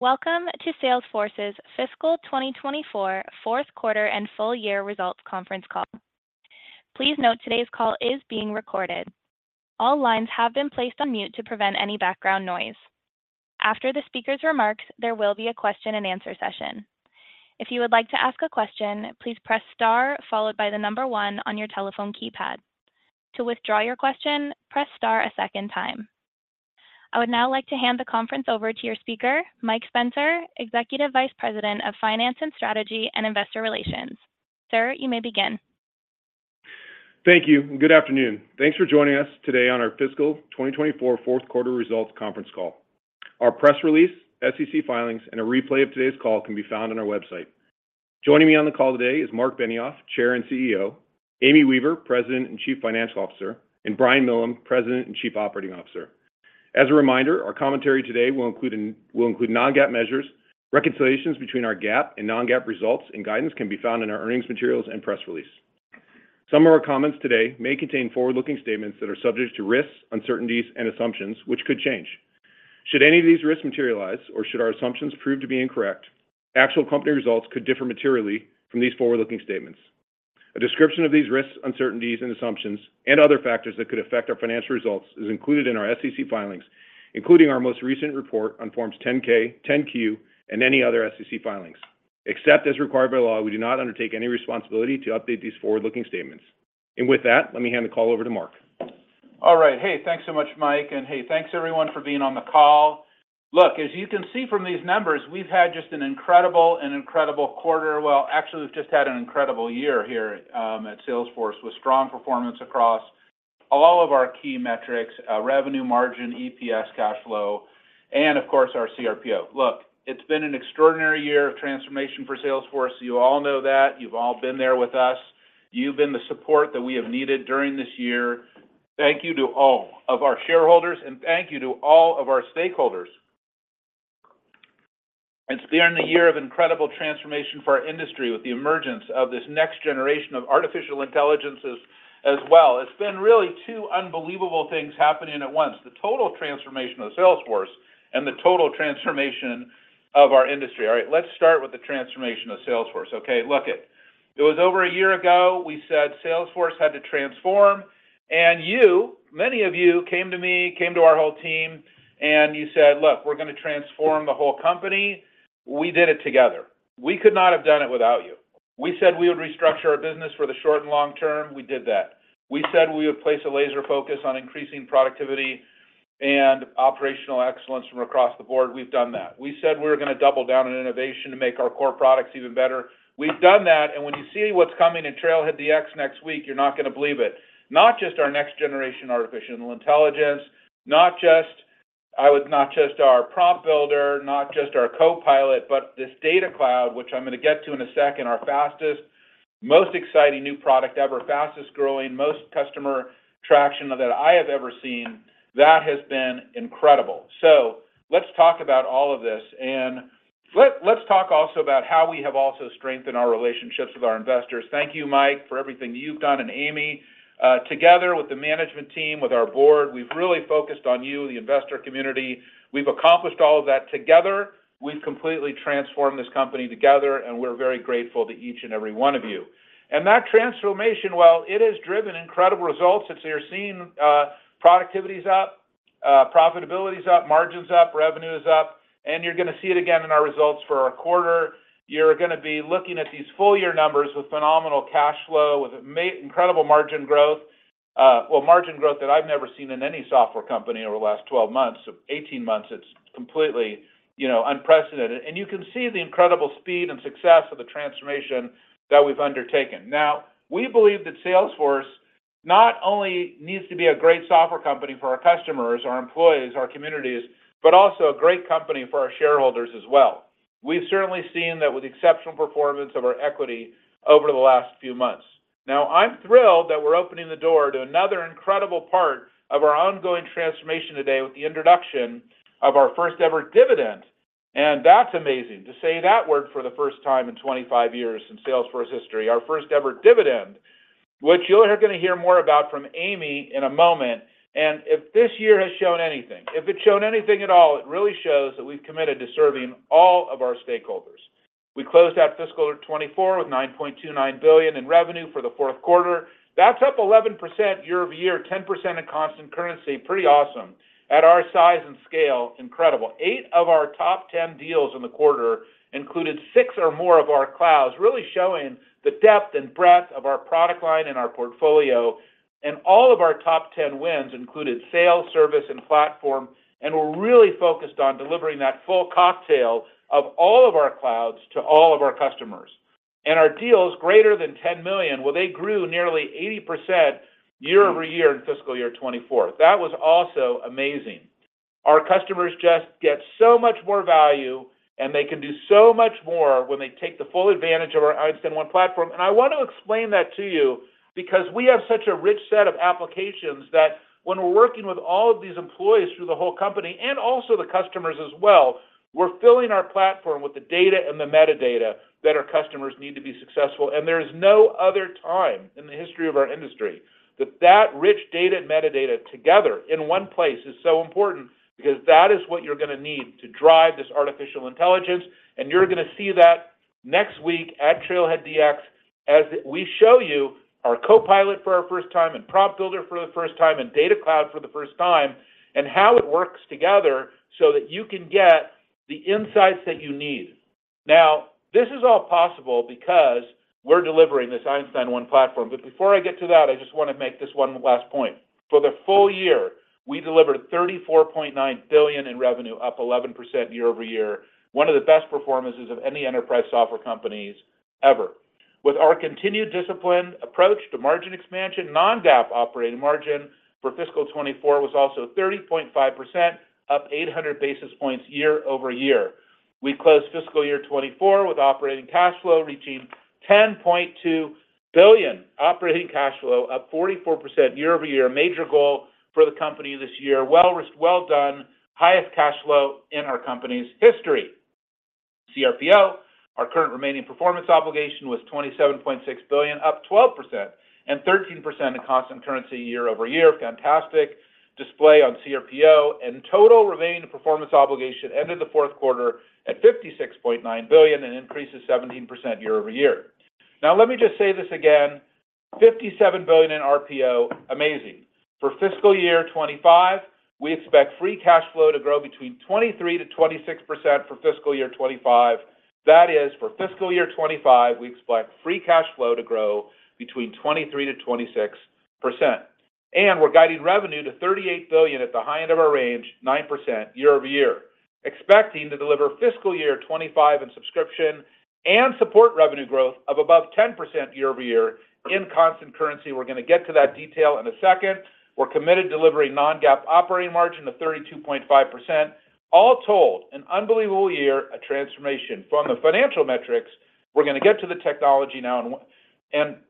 Welcome to Salesforce's fiscal 2024 fourth quarter and full year results conference call. Please note today's call is being recorded. All lines have been placed on mute to prevent any background noise. After the speaker's remarks, there will be a question-and-answer session. If you would like to ask a question, please press star followed by the number 1 on your telephone keypad. To withdraw your question, press star a second time. I would now like to hand the conference over to your speaker, Mike Spencer, Executive Vice President of Finance and Strategy and Investor Relations. Sir, you may begin. Thank you. Good afternoon. Thanks for joining us today on our fiscal 2024 fourth quarter results conference call. Our press release, SEC filings, and a replay of today's call can be found on our website. Joining me on the call today is Marc Benioff, Chair and CEO; Amy Weaver, President and Chief Financial Officer; and Brian Millham, President and Chief Operating Officer. As a reminder, our commentary today will include non-GAAP measures. Reconciliations between our GAAP and non-GAAP results and guidance can be found in our earnings materials and press release. Some of our comments today may contain forward-looking statements that are subject to risks, uncertainties, and assumptions which could change. Should any of these risks materialize or should our assumptions prove to be incorrect, actual company results could differ materially from these forward-looking statements. A description of these risks, uncertainties, and assumptions, and other factors that could affect our financial results is included in our SEC filings, including our most recent report on Forms 10-K, 10-Q, and any other SEC filings. Except as required by law, we do not undertake any responsibility to update these forward-looking statements. With that, let me hand the call over to Marc. All right. Hey, thanks so much, Mike. And hey, thanks everyone for being on the call. Look, as you can see from these numbers, we've had just an incredible and incredible quarter. Well, actually, we've just had an incredible year here at Salesforce with strong performance across all of our key metrics: revenue margin, EPS, cash flow, and of course, our CRPO. Look, it's been an extraordinary year of transformation for Salesforce. You all know that. You've all been there with us. You've been the support that we have needed during this year. Thank you to all of our shareholders, and thank you to all of our stakeholders. It's been a year of incredible transformation for our industry with the emergence of this next generation of artificial intelligences as well. It's been really two unbelievable things happening at once: the total transformation of Salesforce and the total transformation of our industry. All right. Let's start with the transformation of Salesforce, okay? Look it. It was over a year ago we said Salesforce had to transform, and you, many of you, came to me, came to our whole team, and you said, "Look, we're going to transform the whole company. We did it together. We could not have done it without you." We said we would restructure our business for the short and long term. We did that. We said we would place a laser focus on increasing productivity and operational excellence from across the board. We've done that. We said we were going to double down on innovation to make our core products even better. We've done that. And when you see what's coming in TrailheadDX next week, you're not going to believe it. Not just our next generation artificial intelligence, not just our Prompt Builder, not just our Copilot, but this Data Cloud, which I'm going to get to in a second, our fastest, most exciting new product ever, fastest growing, most customer traction that I have ever seen. That has been incredible. So let's talk about all of this. And let's talk also about how we have also strengthened our relationships with our investors. Thank you, Mike, for everything that you've done. And Amy, together with the management team, with our board, we've really focused on you, the investor community. We've accomplished all of that together. We've completely transformed this company together, and we're very grateful to each and every one of you. That transformation, well, it has driven incredible results. You're seeing productivities up, profitabilities up, margins up, revenue is up. You're going to see it again in our results for our quarter. You're going to be looking at these full year numbers with phenomenal cash flow, with incredible margin growth, well, margin growth that I've never seen in any software company over the last 12 months of 18 months. It's completely unprecedented. You can see the incredible speed and success of the transformation that we've undertaken. Now, we believe that Salesforce not only needs to be a great software company for our customers, our employees, our communities, but also a great company for our shareholders as well. We've certainly seen that with the exceptional performance of our equity over the last few months. Now, I'm thrilled that we're opening the door to another incredible part of our ongoing transformation today with the introduction of our first-ever dividend. That's amazing to say that word for the first time in 25 years in Salesforce history, our first-ever dividend, which you're going to hear more about from Amy in a moment. If this year has shown anything, if it's shown anything at all, it really shows that we've committed to serving all of our stakeholders. We closed out fiscal year 2024 with $9.29 billion in revenue for the fourth quarter. That's up 11% year-over-year, 10% in constant currency. Pretty awesome at our size and scale. Incredible. Eight of our top 10 deals in the quarter included six or more of our clouds, really showing the depth and breadth of our product line and our portfolio. All of our top 10 wins included sales, service, and platform. We're really focused on delivering that full cocktail of all of our clouds to all of our customers. Our deals greater than $10 million, well, they grew nearly 80% year-over-year in fiscal year 2024. That was also amazing. Our customers just get so much more value, and they can do so much more when they take the full advantage of our Einstein 1 Platform. I want to explain that to you because we have such a rich set of applications that when we're working with all of these employees through the whole company and also the customers as well, we're filling our platform with the data and the metadata that our customers need to be successful. There is no other time in the history of our industry that that rich data and metadata together in one place is so important because that is what you're going to need to drive this artificial intelligence. You're going to see that next week at TrailheadDX as we show you our Copilot for our first time and Prompt Builder for the first time and Data Cloud for the first time and how it works together so that you can get the insights that you need. Now, this is all possible because we're delivering this Einstein 1 Platform. Before I get to that, I just want to make this one last point. For the full year, we delivered $34.9 billion in revenue, up 11% year-over-year, one of the best performances of any enterprise software companies ever. With our continued disciplined approach to margin expansion, non-GAAP operating margin for fiscal 2024 was also 30.5%, up 800 basis points year-over-year. We closed fiscal year 2024 with operating cash flow reaching $10.2 billion, operating cash flow up 44% year-over-year, major goal for the company this year. Well done. Highest cash flow in our company's history. CRPO, our current remaining performance obligation, was $27.6 billion, up 12% and 13% in constant currency year-over-year. Fantastic display on CRPO. Total remaining performance obligation ended the fourth quarter at $56.9 billion and increased to 17% year-over-year. Now, let me just say this again: $57 billion in RPO. Amazing. For fiscal year 2025, we expect free cash flow to grow between 23%-26% for fiscal year 2025. That is, for fiscal year 2025, we expect free cash flow to grow between 23%-26%. We're guiding revenue to $38 billion at the high end of our range, 9% year-over-year, expecting to deliver fiscal year 2025 in subscription and support revenue growth of above 10% year-over-year in constant currency. We're going to get to that detail in a second. We're committed to delivering non-GAAP operating margin of 32.5%. All told, an unbelievable year, a transformation from the financial metrics. We're going to get to the technology now.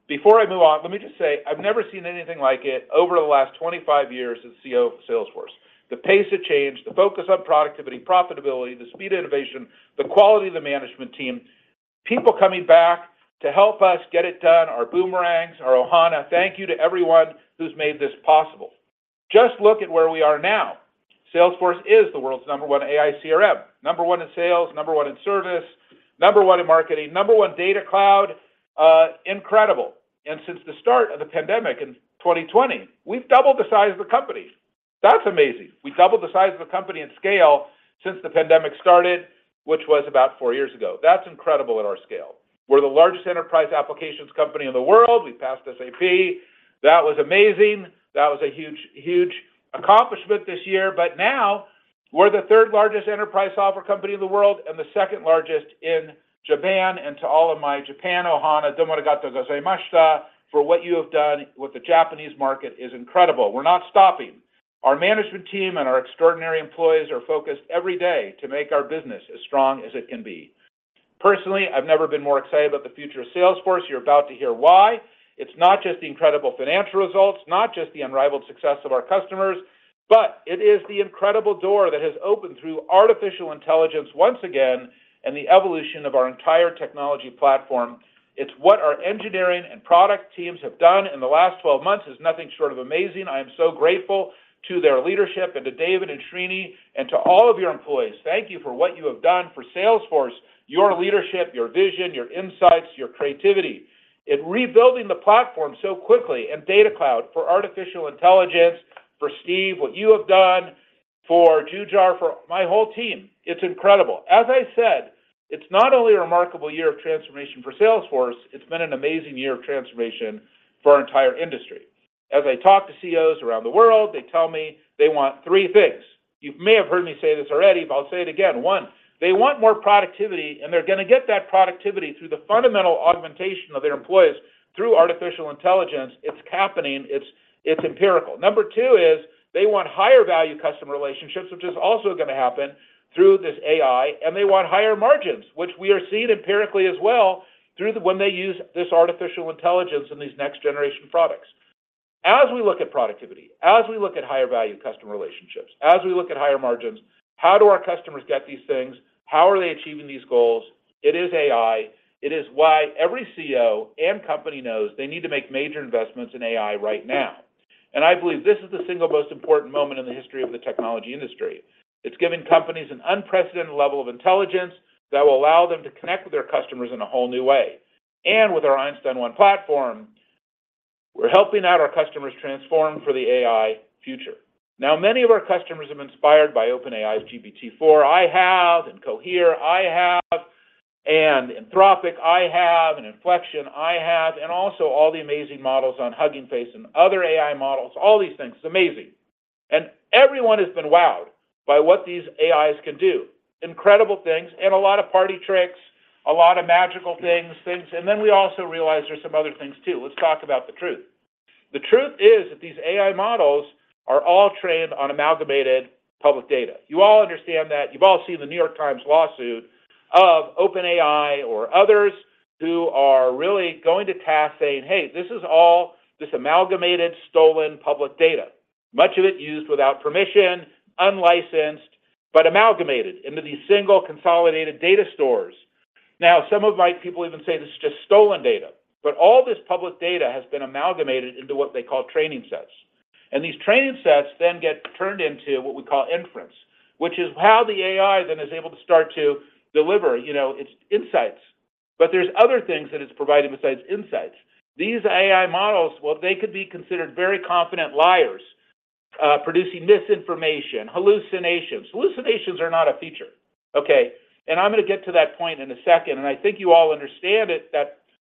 Before I move on, let me just say I've never seen anything like it over the last 25 years as CEO of Salesforce. The pace of change, the focus on productivity, profitability, the speed of innovation, the quality of the management team, people coming back to help us get it done, our boomerangs, our Ohana. Thank you to everyone who's made this possible. Just look at where we are now. Salesforce is the world's number one AI CRM, number one in sales, number one in service, number one in marketing, number one Data Cloud. Incredible. Since the start of the pandemic in 2020, we've doubled the size of the company. That's amazing. We doubled the size of the company in scale since the pandemic started, which was about four years ago. That's incredible at our scale. We're the largest enterprise applications company in the world. We passed SAP. That was amazing. That was a huge, huge accomplishment this year. Now we're the third largest enterprise software company in the world and the second largest in Japan. To all of my Japan Ohana, domo arigato, gozaimasu, for what you have done with the Japanese market is incredible. We're not stopping. Our management team and our extraordinary employees are focused every day to make our business as strong as it can be. Personally, I've never been more excited about the future of Salesforce. You're about to hear why. It's not just the incredible financial results, not just the unrivaled success of our customers, but it is the incredible door that has opened through artificial intelligence once again and the evolution of our entire technology platform. It's what our engineering and product teams have done in the last 12 months is nothing short of amazing. I am so grateful to their leadership and to David and Srini and to all of your employees. Thank you for what you have done for Salesforce, your leadership, your vision, your insights, your creativity, and rebuilding the platform so quickly and Data Cloud for artificial intelligence, for Steve, what you have done, for Jujhar, for my whole team. It's incredible. As I said, it's not only a remarkable year of transformation for Salesforce, it's been an amazing year of transformation for our entire industry. As I talk to CEOs around the world, they tell me they want three things. You may have heard me say this already, but I'll say it again. One, they want more productivity, and they're going to get that productivity through the fundamental augmentation of their employees through artificial intelligence. It's happening. It's empirical. Number two is they want higher value customer relationships, which is also going to happen through this AI. They want higher margins, which we are seeing empirically as well when they use this artificial intelligence in these next generation products. As we look at productivity, as we look at higher value customer relationships, as we look at higher margins, how do our customers get these things? How are they achieving these goals? It is AI. It is why every CEO and company knows they need to make major investments in AI right now. And I believe this is the single most important moment in the history of the technology industry. It's giving companies an unprecedented level of intelligence that will allow them to connect with their customers in a whole new way. And with our Einstein 1 Platform, we're helping out our customers transform for the AI future. Now, many of our customers have inspired by OpenAI's GPT-4. I have in Cohere. I have in Anthropic. I have in Inflection. I have in also all the amazing models on Hugging Face and other AI models. All these things. It's amazing. Everyone has been wowed by what these AIs can do, incredible things and a lot of party tricks, a lot of magical things. Then we also realize there's some other things too. Let's talk about the truth. The truth is that these AI models are all trained on amalgamated public data. You all understand that. You've all seen the New York Times lawsuit of OpenAI or others who are really going to task saying, "Hey, this is all this amalgamated, stolen public data, much of it used without permission, unlicensed, but amalgamated into these single consolidated data stores." Now, some of my people even say this is just stolen data, but all this public data has been amalgamated into what they call training sets. And these training sets then get turned into what we call inference, which is how the AI then is able to start to deliver its insights. But there's other things that it's providing besides insights. These AI models, well, they could be considered very confident liars producing misinformation, hallucinations. Hallucinations are not a feature, okay? And I'm going to get to that point in a second. And I think you all understand it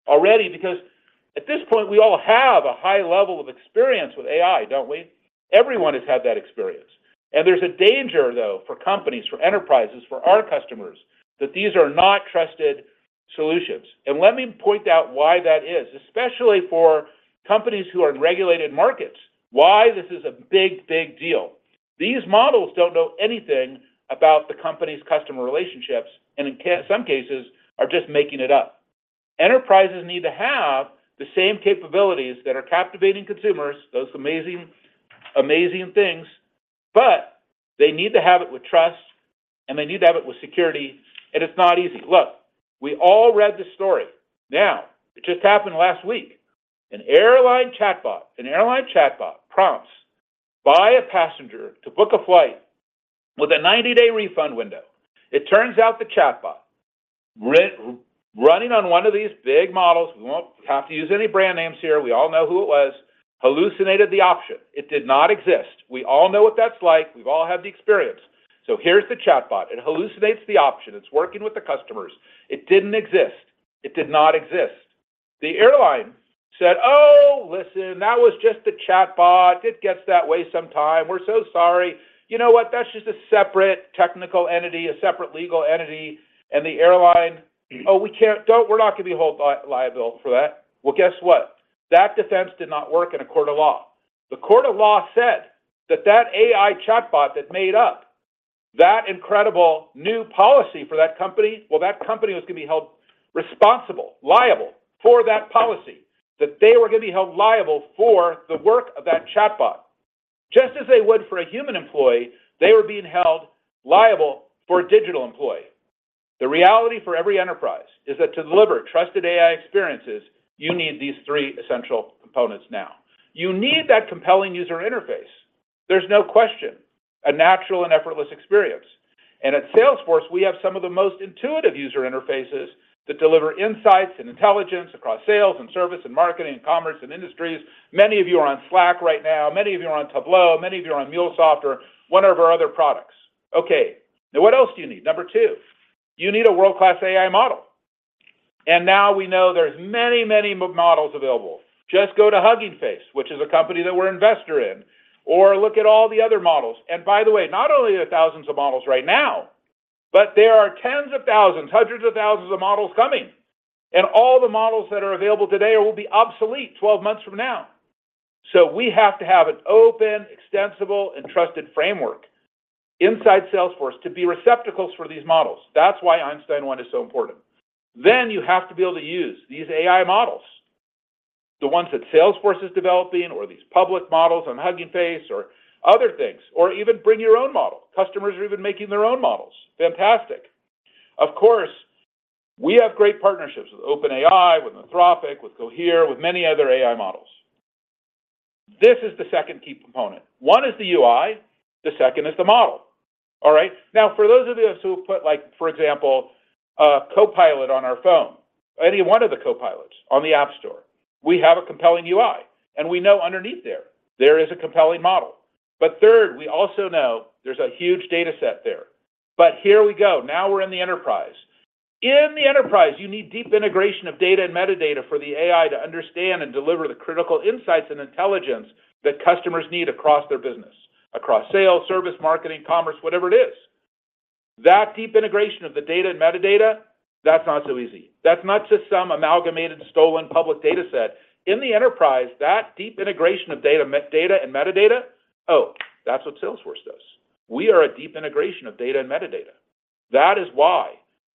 already because at this point, we all have a high level of experience with AI, don't we? Everyone has had that experience. And there's a danger, though, for companies, for enterprises, for our customers that these are not trusted solutions. And let me point out why that is, especially for companies who are in regulated markets, why this is a big, big deal. These models don't know anything about the company's customer relationships and in some cases are just making it up. Enterprises need to have the same capabilities that are captivating consumers, those amazing things, but they need to have it with trust, and they need to have it with security. It's not easy. Look, we all read this story. Now, it just happened last week. An airline chatbot prompts a passenger to book a flight with a 90-day refund window. It turns out the chatbot running on one of these big models—we won't have to use any brand names here. We all know who it was—hallucinated the option. It did not exist. We all know what that's like. We've all had the experience. So here's the chatbot. It hallucinates the option. It's working with the customers. It didn't exist. It did not exist. The airline said, "Oh, listen, that was just the chatbot. It gets that way sometimes. We're so sorry. You know what? That's just a separate technical entity, a separate legal entity." And the airline, "Oh, we can't. We're not going to be held liable for that." Well, guess what? That defense did not work in a court of law. The court of law said that that AI chatbot that made up that incredible new policy for that company - well, that company was going to be held responsible, liable for that policy - that they were going to be held liable for the work of that chatbot. Just as they would for a human employee, they were being held liable for a digital employee. The reality for every enterprise is that to deliver trusted AI experiences, you need these three essential components now. You need that compelling user interface. There's no question, a natural and effortless experience. And at Salesforce, we have some of the most intuitive user interfaces that deliver insights and intelligence across sales and service and marketing and commerce and industries. Many of you are on Slack right now. Many of you are on Tableau. Many of you are on MuleSoft or one of our other products. Okay. Now, what else do you need? Number two, you need a world-class AI model. And now we know there's many, many models available. Just go to Hugging Face, which is a company that we're an investor in, or look at all the other models. And by the way, not only are there thousands of models right now, but there are tens of thousands, hundreds of thousands of models coming. And all the models that are available today will be obsolete 12 months from now. So we have to have an open, extensible, and trusted framework inside Salesforce to be receptacles for these models. That's why Einstein 1 is so important. Then you have to be able to use these AI models, the ones that Salesforce is developing or these public models on Hugging Face or other things, or even bring your own model. Customers are even making their own models. Fantastic. Of course, we have great partnerships with OpenAI, with Anthropic, with Cohere, with many other AI models. This is the second key component. One is the UI. The second is the model. All right. Now, for those of you who have put, for example, a co-pilot on our phone, any one of the co-pilots on the App Store, we have a compelling UI, and we know underneath there, there is a compelling model. But third, we also know there's a huge data set there. But here we go. Now we're in the enterprise. In the enterprise, you need deep integration of data and metadata for the AI to understand and deliver the critical insights and intelligence that customers need across their business, across sales, service, marketing, commerce, whatever it is. That deep integration of the data and metadata, that's not so easy. That's not just some amalgamated, stolen public data set. In the enterprise, that deep integration of data and metadata, oh, that's what Salesforce does. We are a deep integration of data and metadata. That is why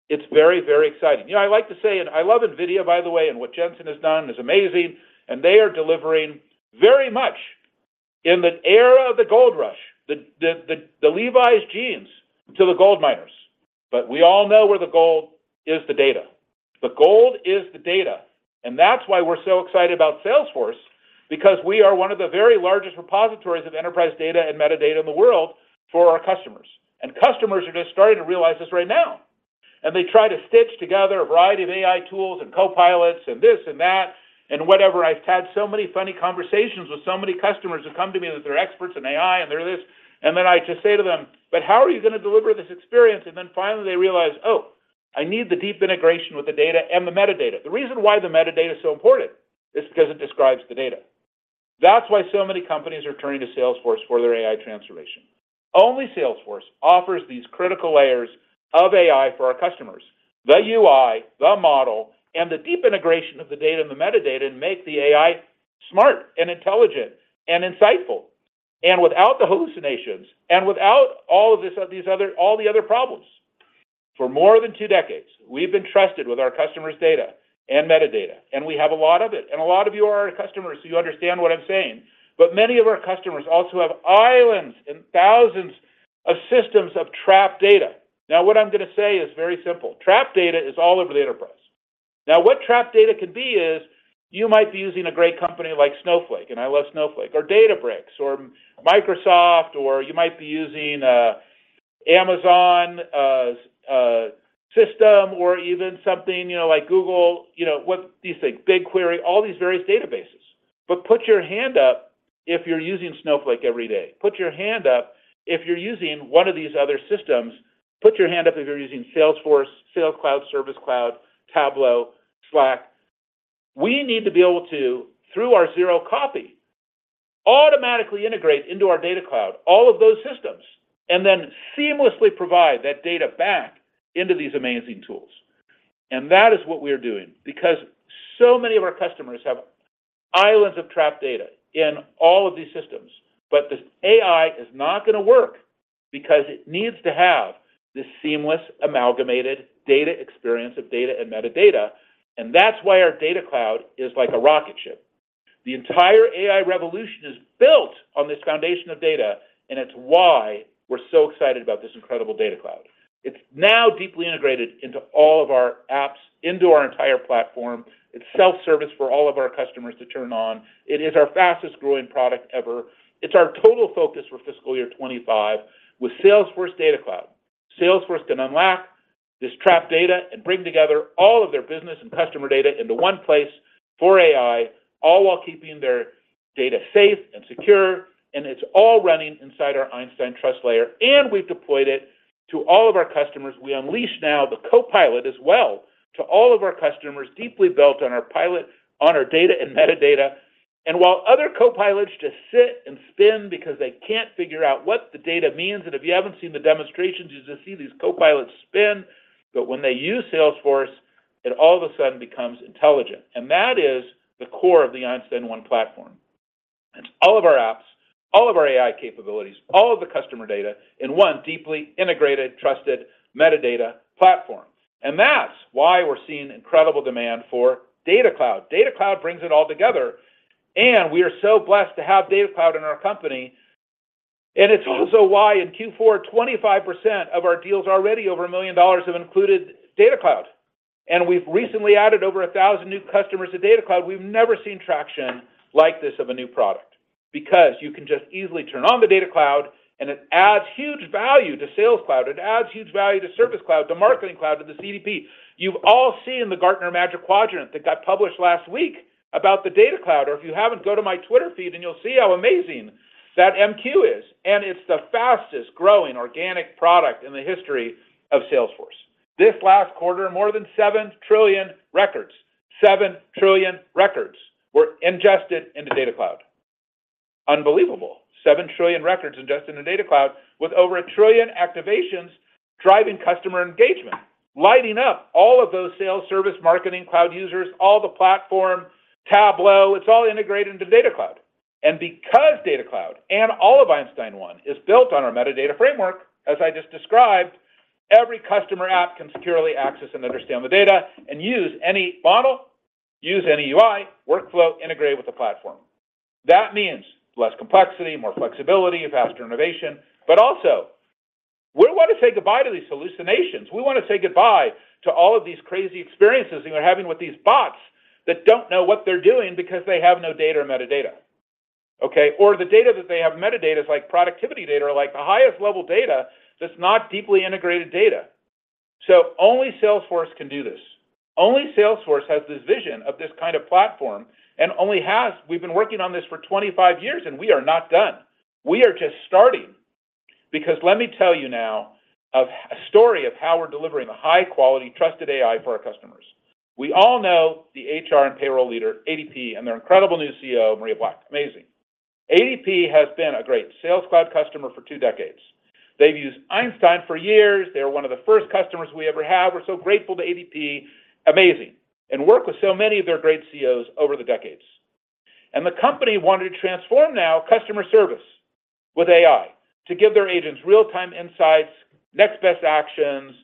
it's very, very exciting. You know, I like to say, and I love NVIDIA, by the way, and what Jensen has done is amazing. They are delivering very much in the era of the gold rush, the Levi's jeans to the gold miners. But we all know where the gold is, the data. The gold is the data. That's why we're so excited about Salesforce because we are one of the very largest repositories of enterprise data and metadata in the world for our customers. Customers are just starting to realize this right now. They try to stitch together a variety of AI tools and co-pilots and this and that and whatever. I've had so many funny conversations with so many customers who come to me that they're experts in AI and they're this. Then I just say to them, "But how are you going to deliver this experience?" Then finally they realize, "Oh, I need the deep integration with the data and the metadata." The reason why the metadata is so important is because it describes the data. That's why so many companies are turning to Salesforce for their AI transformation. Only Salesforce offers these critical layers of AI for our customers, the UI, the model, and the deep integration of the data and the metadata and make the AI smart and intelligent and insightful and without the hallucinations and without all of these other problems. For more than two decades, we've been trusted with our customers' data and metadata, and we have a lot of it. A lot of you are our customers, so you understand what I'm saying. But many of our customers also have islands and thousands of systems of trapped data. Now, what I'm going to say is very simple. Trapped data is all over the enterprise. Now, what trapped data can be is you might be using a great company like Snowflake - and I love Snowflake - or Databricks or Microsoft, or you might be using Amazon's system or even something like Google, what do you think? BigQuery, all these various databases. But put your hand up if you're using Snowflake every day. Put your hand up if you're using one of these other systems. Put your hand up if you're using Salesforce, Sales Cloud, Service Cloud, Tableau, Slack. We need to be able to, through our Zero Copy, automatically integrate into our Data Cloud, all of those systems, and then seamlessly provide that data back into these amazing tools. That is what we are doing because so many of our customers have islands of trapped data in all of these systems. But this AI is not going to work because it needs to have this seamless amalgamated data experience of data and metadata. That's why our Data Cloud is like a rocket ship. The entire AI revolution is built on this foundation of data, and it's why we're so excited about this incredible Data Cloud. It's now deeply integrated into all of our apps, into our entire platform. It's self-service for all of our customers to turn on. It is our fastest-growing product ever. It's our total focus for fiscal year 2025 with Salesforce Data Cloud. Salesforce can unlock this trapped data and bring together all of their business and customer data into one place for AI, all while keeping their data safe and secure. It's all running inside our Einstein Trust Layer, and we've deployed it to all of our customers. We unleash now the Copilot as well to all of our customers deeply built on our platform, on our data and metadata. And while other Copilots just sit and spin because they can't figure out what the data means, and if you haven't seen the demonstrations, you just see these Copilots spin, but when they use Salesforce, it all of a sudden becomes intelligent. And that is the core of the Einstein 1 Platform. It's all of our apps, all of our AI capabilities, all of the customer data in one deeply integrated, trusted metadata platform. And that's why we're seeing incredible demand for Data Cloud. Data Cloud brings it all together. And we are so blessed to have Data Cloud in our company. It's also why in Q4, 25% of our deals already over $1 million have included Data Cloud. We've recently added over 1,000 new customers to Data Cloud. We've never seen traction like this of a new product because you can just easily turn on the Data Cloud, and it adds huge value to Sales Cloud. It adds huge value to Service Cloud, to Marketing Cloud, to the CDP. You've all seen the Gartner Magic Quadrant that got published last week about the Data Cloud. Or if you haven't, go to my Twitter feed, and you'll see how amazing that MQ is. It's the fastest-growing organic product in the history of Salesforce. This last quarter, more than 7 trillion records - 7 trillion records - were ingested into Data Cloud. Unbelievable. 7 trillion records ingested into Data Cloud with over a trillion activations driving customer engagement, lighting up all of those Sales, Service, Marketing Cloud users, all the Platform, Tableau. It's all integrated into Data Cloud. And because Data Cloud and all of Einstein 1 is built on our metadata framework, as I just described, every customer app can securely access and understand the data and use any model, use any UI, workflow, integrate with the Platform. That means less complexity, more flexibility, faster innovation. But also, we want to say goodbye to these hallucinations. We want to say goodbye to all of these crazy experiences that you're having with these bots that don't know what they're doing because they have no data or metadata. Okay? Or the data that they have metadata is like productivity data or like the highest level data. That's not deeply integrated data. So only Salesforce can do this. Only Salesforce has this vision of this kind of platform and only has—we've been working on this for 25 years, and we are not done. We are just starting because let me tell you now a story of how we're delivering the high-quality, trusted AI for our customers. We all know the HR and payroll leader, ADP, and their incredible new CEO, Maria Black. Amazing. ADP has been a great Sales Cloud customer for two decades. They've used Einstein for years. They were one of the first customers we ever had. We're so grateful to ADP. Amazing. And worked with so many of their great CEOs over the decades. And the company wanted to transform now customer service with AI to give their agents real-time insights, next best actions,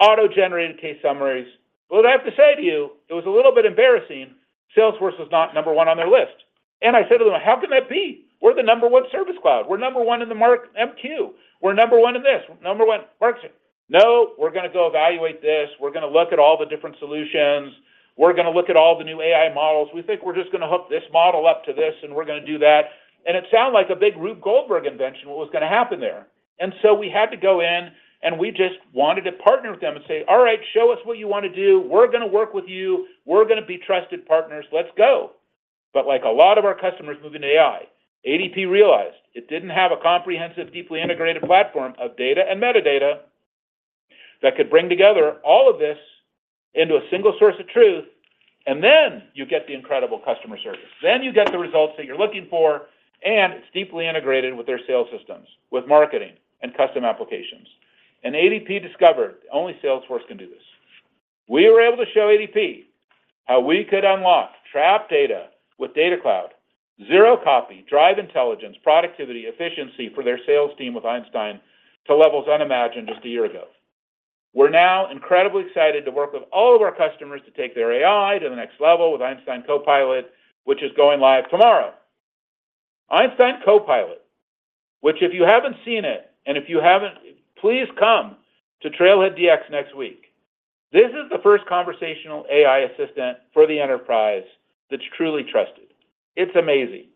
auto-generated case summaries. Well, what I have to say to you, it was a little bit embarrassing. Salesforce was not number one on their list. And I said to them, "How can that be? We're the number one Service Cloud. We're number one in the Magic Quadrant. We're number one in this. Number one marketing." "No, we're going to go evaluate this. We're going to look at all the different solutions. We're going to look at all the new AI models. We think we're just going to hook this model up to this, and we're going to do that." And it sounded like a big Rube Goldberg invention, what was going to happen there. And so we had to go in, and we just wanted to partner with them and say, "All right, show us what you want to do. We're going to work with you. We're going to be trusted partners. Let's go." But like a lot of our customers moving to AI, ADP realized it didn't have a comprehensive, deeply integrated platform of data and metadata that could bring together all of this into a single source of truth. Then you get the incredible customer service. Then you get the results that you're looking for, and it's deeply integrated with their sales systems, with marketing, and custom applications. ADP discovered only Salesforce can do this. We were able to show ADP how we could unlock trapped data with Data Cloud, Zero Copy, drive intelligence, productivity, efficiency for their sales team with Einstein to levels unimagined just a year ago. We're now incredibly excited to work with all of our customers to take their AI to the next level with Einstein Copilot, which is going live tomorrow. Einstein Copilot, which if you haven't seen it and if you haven't, please come to TrailheadDX next week. This is the first conversational AI assistant for the enterprise that's truly trusted. It's amazing.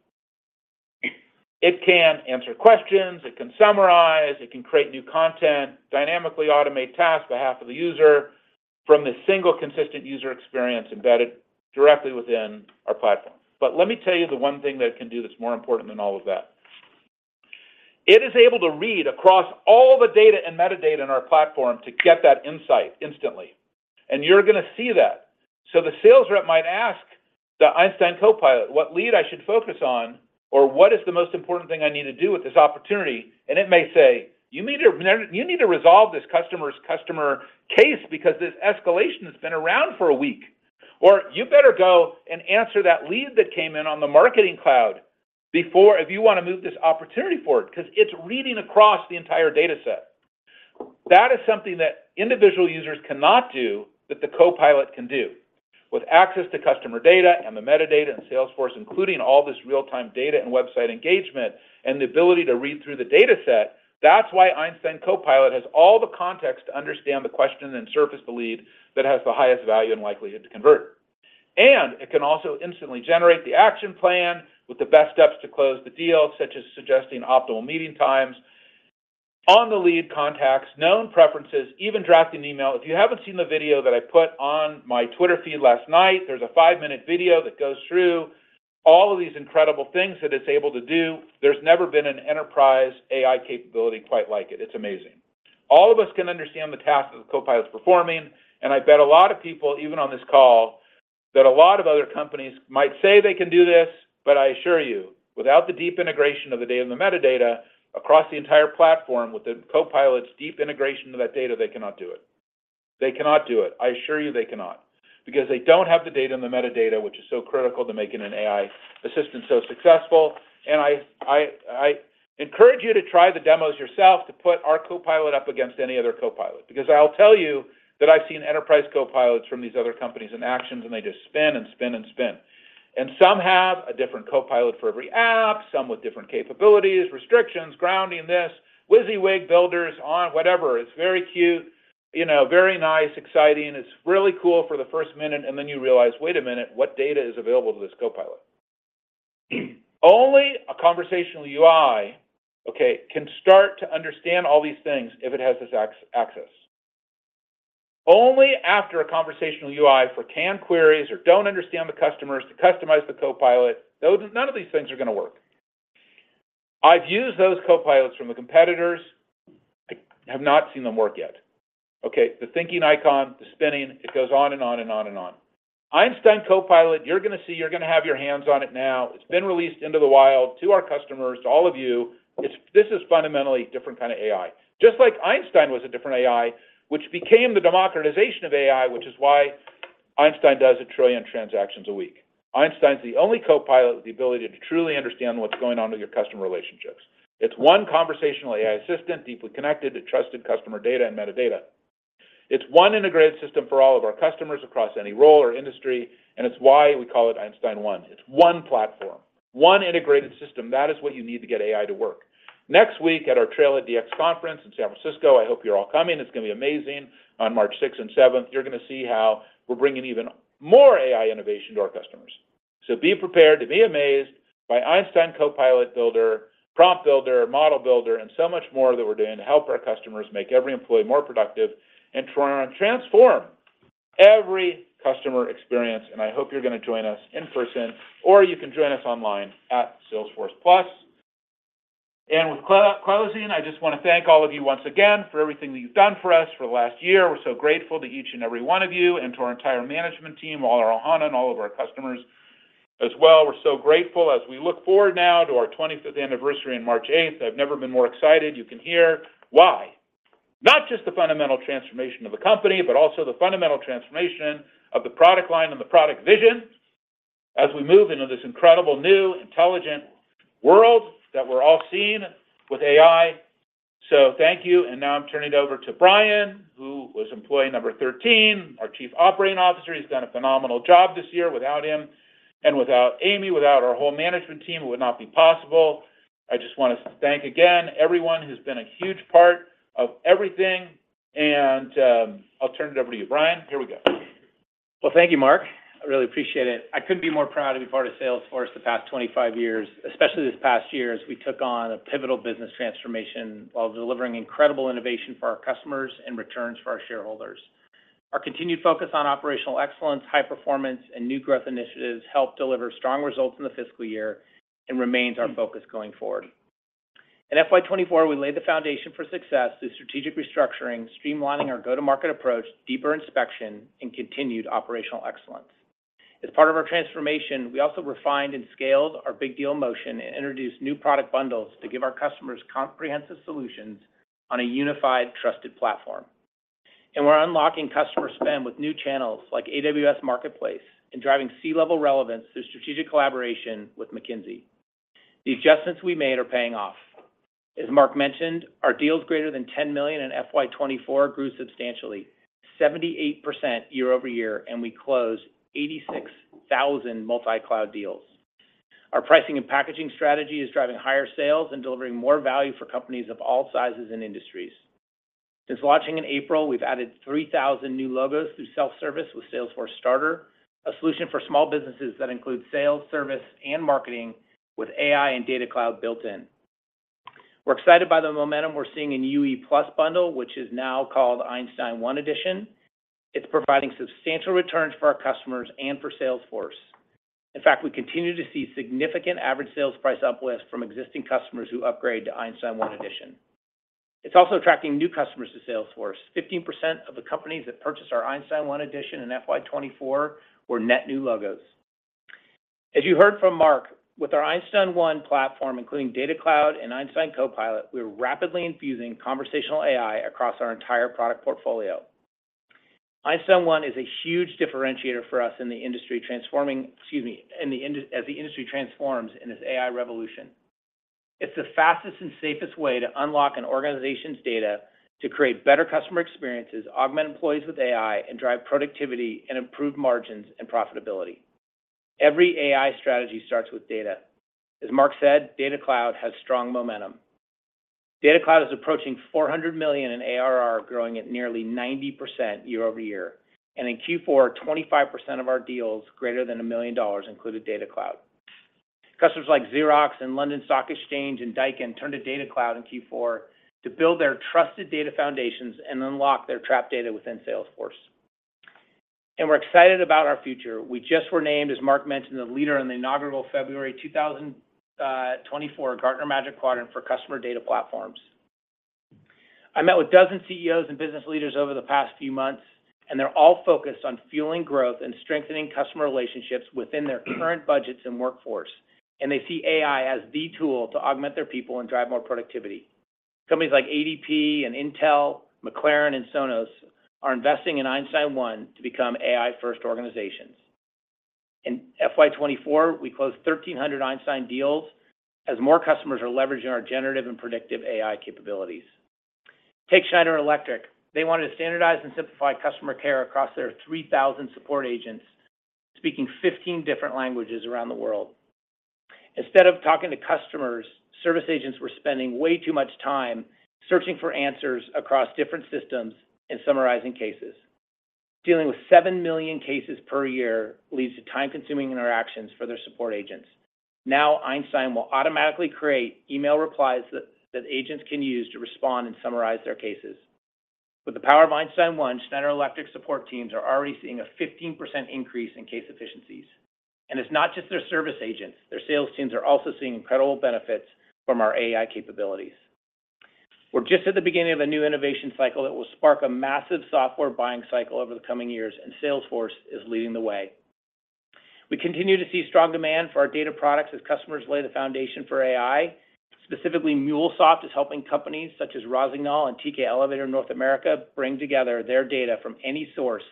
It can answer questions. It can summarize. It can create new content, dynamically automate tasks on behalf of the user from this single consistent user experience embedded directly within our platform. But let me tell you the one thing that it can do that's more important than all of that. It is able to read across all the data and metadata in our platform to get that insight instantly. And you're going to see that. So the sales rep might ask the Einstein Copilot, "What lead I should focus on?" or "What is the most important thing I need to do with this opportunity?" And it may say, "You need to resolve this customer's customer case because this escalation has been around for a week." Or, "You better go and answer that lead that came in on the Marketing Cloud before if you want to move this opportunity forward because it's reading across the entire data set." That is something that individual users cannot do that the Copilot can do. With access to customer data and the metadata and Salesforce, including all this real-time data and website engagement and the ability to read through the data set, that's why Einstein Copilot has all the context to understand the question and surface the lead that has the highest value and likelihood to convert. And it can also instantly generate the action plan with the best steps to close the deal, such as suggesting optimal meeting times, on-the-lead contacts, known preferences, even drafting an email. If you haven't seen the video that I put on my Twitter feed last night, there's a five-minute video that goes through all of these incredible things that it's able to do. There's never been an enterprise AI capability quite like it. It's amazing. All of us can understand the tasks that the co-pilot is performing. And I bet a lot of people, even on this call, that a lot of other companies might say they can do this. But I assure you, without the deep integration of the data and the metadata across the entire platform, with the co-pilot's deep integration of that data, they cannot do it. They cannot do it. I assure you they cannot because they don't have the data and the metadata, which is so critical to making an AI assistant so successful. And I encourage you to try the demos yourself to put our co-pilot up against any other co-pilot because I'll tell you that I've seen enterprise co-pilots from these other companies in actions, and they just spin and spin and spin. And some have a different co-pilot for every app, some with different capabilities, restrictions, grounding this, WYSIWYG builders on whatever. It's very cute, you know very nice, exciting. It's really cool for the first minute, and then you realize, "Wait a minute, what data is available to this co-pilot?" Only a conversational UI, okay, can start to understand all these things if it has this access. Only after a conversational UI for can queries or don't understand the customers to customize the Copilot, none of these things are going to work. I've used those copilots from the competitors. I have not seen them work yet. Okay? The thinking icon, the spinning, it goes on and on and on and on. Einstein Copilot, you're going to see. You're going to have your hands on it now. It's been released into the wild to our customers, to all of you. This is fundamentally a different kind of AI. Just like Einstein was a different AI, which became the democratization of AI, which is why Einstein does 1 trillion transactions a week. Einstein's the only Copilot with the ability to truly understand what's going on with your customer relationships. It's one conversational AI assistant, deeply connected to trusted customer data and metadata. It's one integrated system for all of our customers across any role or industry. And it's why we call it Einstein 1. It's one platform, one integrated system. That is what you need to get AI to work. Next week at our TrailheadDX conference in San Francisco, I hope you're all coming. It's going to be amazing on March 6th and 7th. You're going to see how we're bringing even more AI innovation to our customers. So be prepared to be amazed by Einstein Copilot Builder, Prompt Builder, Model Builder, and so much more that we're doing to help our customers make every employee more productive and transform every customer experience. And I hope you're going to join us in person, or you can join us online at Salesforce+. And with closing, I just want to thank all of you once again for everything that you've done for us for the last year. We're so grateful to each and every one of you and to our entire management team, all our Ohana and all of our customers as well. We're so grateful. As we look forward now to our 25th anniversary on March 8th, I've never been more excited. You can hear why. Not just the fundamental transformation of the company, but also the fundamental transformation of the product line and the product vision as we move into this incredible new intelligent world that we're all seeing with AI. So thank you. And now I'm turning it over to Brian, who was employee number 13, our Chief Operating Officer. He's done a phenomenal job this year. Without him and without Amy, without our whole management team, it would not be possible. I just want to thank again everyone who's been a huge part of everything. And I'll turn it over to you, Brian. Here we go. Well, thank you, Marc. I really appreciate it. I couldn't be more proud to be part of Salesforce the past 25 years, especially this past year as we took on a pivotal business transformation while delivering incredible innovation for our customers and returns for our shareholders. Our continued focus on operational excellence, high performance, and new growth initiatives helped deliver strong results in the fiscal year and remains our focus going forward. In FY 2024, we laid the foundation for success through strategic restructuring, streamlining our go-to-market approach, deeper inspection, and continued operational excellence. As part of our transformation, we also refined and scaled our big deal motion and introduced new product bundles to give our customers comprehensive solutions on a unified, trusted platform. We're unlocking customer spend with new channels like AWS Marketplace and driving C-level relevance through strategic collaboration with McKinsey. The adjustments we made are paying off. As Marc mentioned, our deals greater than $10 million in FY 2024 grew substantially, 78% year-over-year, and we closed 86,000 multi-cloud deals. Our pricing and packaging strategy is driving higher sales and delivering more value for companies of all sizes and industries. Since launching in April, we've added 3,000 new logos through self-service with Salesforce Starter, a solution for small businesses that includes sales, service, and marketing with AI and Data Cloud built in. We're excited by the momentum we're seeing in UE+ bundle, which is now called Einstein 1 Edition. It's providing substantial returns for our customers and for Salesforce. In fact, we continue to see significant average sales price uplift from existing customers who upgrade to Einstein 1 Edition. It's also attracting new customers to Salesforce. 15% of the companies that purchased our Einstein 1 Edition in FY 2024 were net new logos. As you heard from Marc, with our Einstein 1 Platform, including Data Cloud and Einstein Copilot, we're rapidly infusing conversational AI across our entire product portfolio. Einstein 1 is a huge differentiator for us in the industry transforming excuse me, as the industry transforms in this AI revolution. It's the fastest and safest way to unlock an organization's data to create better customer experiences, augment employees with AI, and drive productivity and improve margins and profitability. Every AI strategy starts with data. As Marc said, Data Cloud has strong momentum. Data Cloud is approaching $400 million in ARR, growing at nearly 90% year-over-year. And in Q4, 25% of our deals greater than $1 million included Data Cloud. Customers like Xerox and London Stock Exchange and Daikin turned to Data Cloud in Q4 to build their trusted data foundations and unlock their trapped data within Salesforce. And we're excited about our future. We just were named, as Marc mentioned, the leader in the inaugural February 2024 Gartner Magic Quadrant for customer data platforms. I met with dozens of CEOs and business leaders over the past few months, and they're all focused on fueling growth and strengthening customer relationships within their current budgets and workforce. And they see AI as the tool to augment their people and drive more productivity. Companies like ADP and Intel, McLaren, and Sonos are investing in Einstein 1 to become AI-first organizations. In FY 2024, we closed 1,300 Einstein deals as more customers are leveraging our generative and predictive AI capabilities. Take Schneider Electric. They wanted to standardize and simplify customer care across their 3,000 support agents, speaking 15 different languages around the world. Instead of talking to customers, service agents were spending way too much time searching for answers across different systems and summarizing cases. Dealing with 7 million cases per year leads to time-consuming interactions for their support agents. Now, Einstein will automatically create email replies that agents can use to respond and summarize their cases. With the power of Einstein 1, Schneider Electric support teams are already seeing a 15% increase in case efficiencies. It's not just their service agents. Their sales teams are also seeing incredible benefits from our AI capabilities. We're just at the beginning of a new innovation cycle that will spark a massive software buying cycle over the coming years, and Salesforce is leading the way. We continue to see strong demand for our data products as customers lay the foundation for AI. Specifically, MuleSoft is helping companies such as Rossignol and TK Elevator North America bring together their data from any source,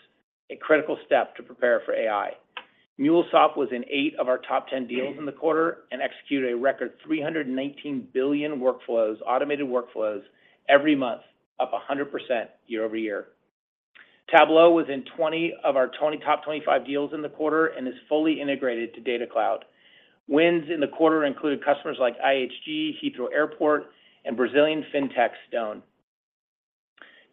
a critical step to prepare for AI. MuleSoft was in eight of our top 10 deals in the quarter and executed a record 319 billion automated workflows every month, up 100% year-over-year. Tableau was in 20 of our top 25 deals in the quarter and is fully integrated to Data Cloud. Wins in the quarter included customers like IHG, Heathrow Airport, and Brazilian fintech Stone.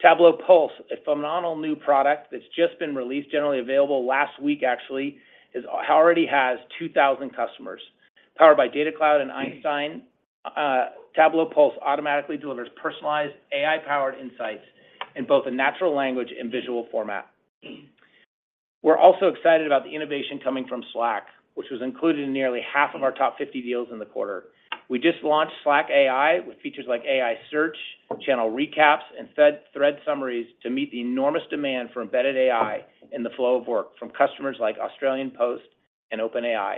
Tableau Pulse, a phenomenal new product that's just been released, generally available last week, actually, already has 2,000 customers. Powered by Data Cloud and Einstein, Tableau Pulse automatically delivers personalized AI-powered insights in both a natural language and visual format. We're also excited about the innovation coming from Slack, which was included in nearly half of our top 50 deals in the quarter. We just launched Slack AI with features like AI search, channel recaps, and thread summaries to meet the enormous demand for embedded AI in the flow of work from customers like Australia Post and OpenAI.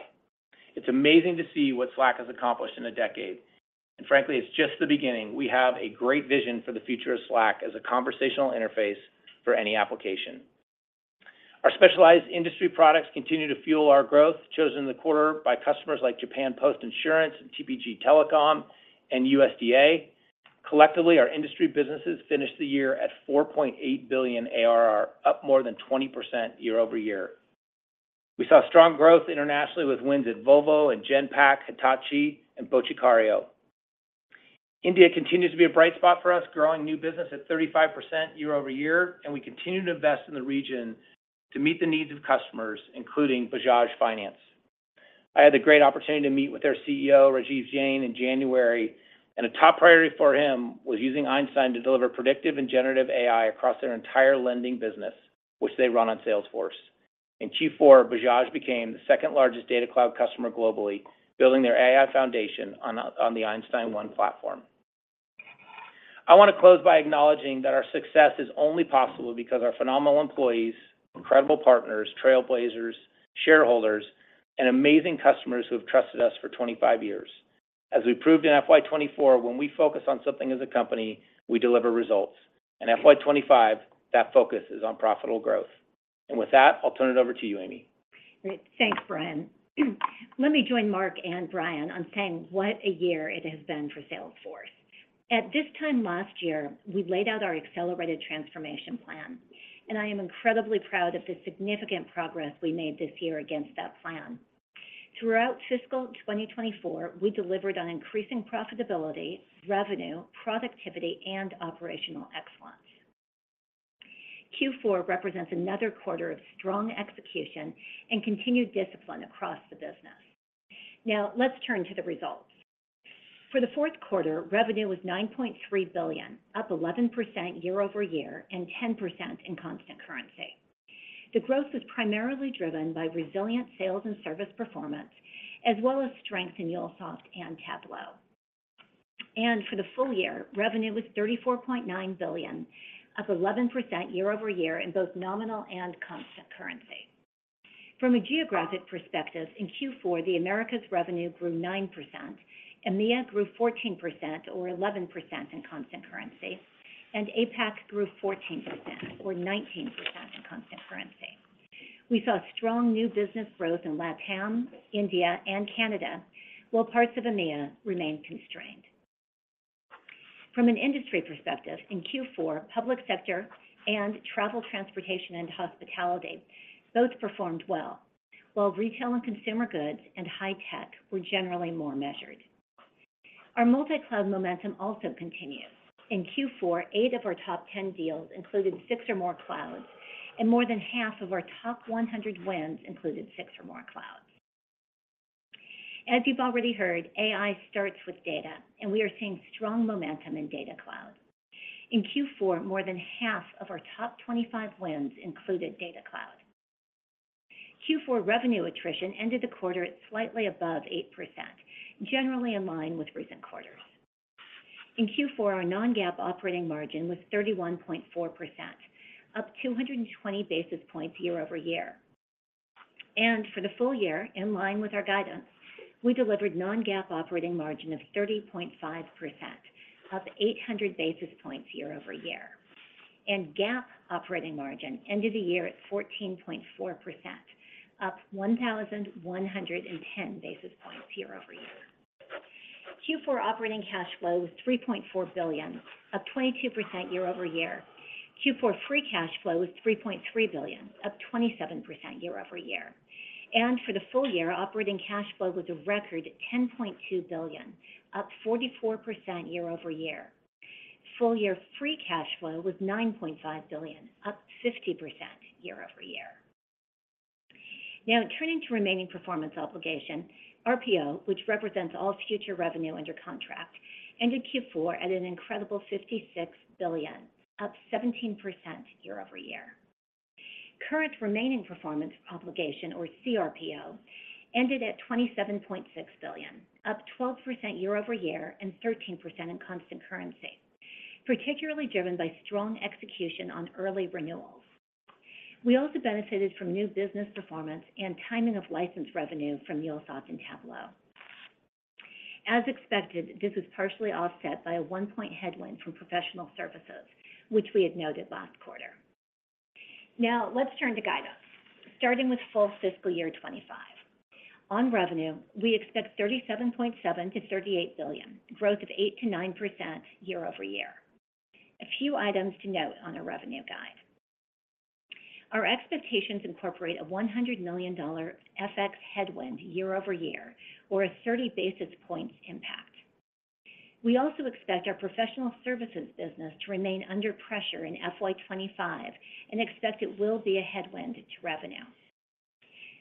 It's amazing to see what Slack has accomplished in a decade. Frankly, it's just the beginning. We have a great vision for the future of Slack as a conversational interface for any application. Our specialized industry products continue to fuel our growth, chosen in the quarter by customers like Japan Post Insurance, TPG Telecom, and USDA. Collectively, our industry businesses finished the year at $4.8 billion ARR, up more than 20% year-over-year. We saw strong growth internationally with wins at Volvo and Genpact, Hitachi, and Boticário. India continues to be a bright spot for us, growing new business at 35% year-over-year. We continue to invest in the region to meet the needs of customers, including Bajaj Finance. I had the great opportunity to meet with their CEO, Rajeev Jain, in January. A top priority for him was using Einstein to deliver predictive and generative AI across their entire lending business, which they run on Salesforce. In Q4, Bajaj became the second largest Data Cloud customer globally, building their AI foundation on the Einstein 1 Platform. I want to close by acknowledging that our success is only possible because of our phenomenal employees, incredible partners, trailblazers, shareholders, and amazing customers who have trusted us for 25 years. As we proved in FY 2024, when we focus on something as a company, we deliver results. In FY 2025, that focus is on profitable growth. With that, I'll turn it over to you, Amy. Great. Thanks, Brian. Let me join Marc and Brian on saying what a year it has been for Salesforce. At this time last year, we laid out our accelerated transformation plan. I am incredibly proud of the significant progress we made this year against that plan. Throughout fiscal 2024, we delivered on increasing profitability, revenue, productivity, and operational excellence. Q4 represents another quarter of strong execution and continued discipline across the business. Now, let's turn to the results. For the fourth quarter, revenue was $9.3 billion, up 11% year-over-year and 10% in constant currency. The growth was primarily driven by resilient sales and service performance, as well as strength in MuleSoft and Tableau. For the full year, revenue was $34.9 billion, up 11% year-over-year in both nominal and constant currency. From a geographic perspective, in Q4, the Americas revenue grew 9%, EMEA grew 14% or 11% in constant currency, and APAC grew 14% or 19% in constant currency. We saw strong new business growth in LATAM, India, and Canada, while parts of EMEA remained constrained. From an industry perspective, in Q4, public sector and travel, transportation, and hospitality both performed well, while retail and consumer goods and high tech were generally more measured. Our multi-cloud momentum also continues. In Q4, eight of our top 10 deals included six or more clouds, and more than half of our top 100 wins included six or more clouds. As you've already heard, AI starts with data, and we are seeing strong momentum in Data Cloud. In Q4, more than half of our top 25 wins included Data Cloud. Q4 revenue attrition ended the quarter at slightly above 8%, generally in line with recent quarters. In Q4, our non-GAAP operating margin was 31.4%, up 220 basis points year-over-year. For the full year, in line with our guidance, we delivered non-GAAP operating margin of 30.5%, up 800 basis points year-over-year. GAAP operating margin ended the year at 14.4%, up 1,110 basis points year-over-year. Q4 operating cash flow was $3.4 billion, up 22% year-over-year. Q4 free cash flow was $3.3 billion, up 27% year-over-year. For the full year, operating cash flow was a record $10.2 billion, up 44% year-over-year. Full-year free cash flow was $9.5 billion, up 50% year-over-year. Now, turning to remaining performance obligation, RPO, which represents all future revenue under contract, ended Q4 at an incredible $56 billion, up 17% year-over-year. Current remaining performance obligation, or CRPO, ended at $27.6 billion, up 12% year-over-year and 13% in constant currency, particularly driven by strong execution on early renewals. We also benefited from new business performance and timing of license revenue from MuleSoft and Tableau. As expected, this was partially offset by a one-point headwind from professional services, which we had noted last quarter. Now, let's turn to guidance, starting with full fiscal year 2025. On revenue, we expect $37.7 billion-$38 billion, growth of 8%-9% year-over-year. A few items to note on our revenue guide. Our expectations incorporate a $100 million FX headwind year-over-year or a 30 basis points impact. We also expect our professional services business to remain under pressure in FY 2025 and expect it will be a headwind to revenue.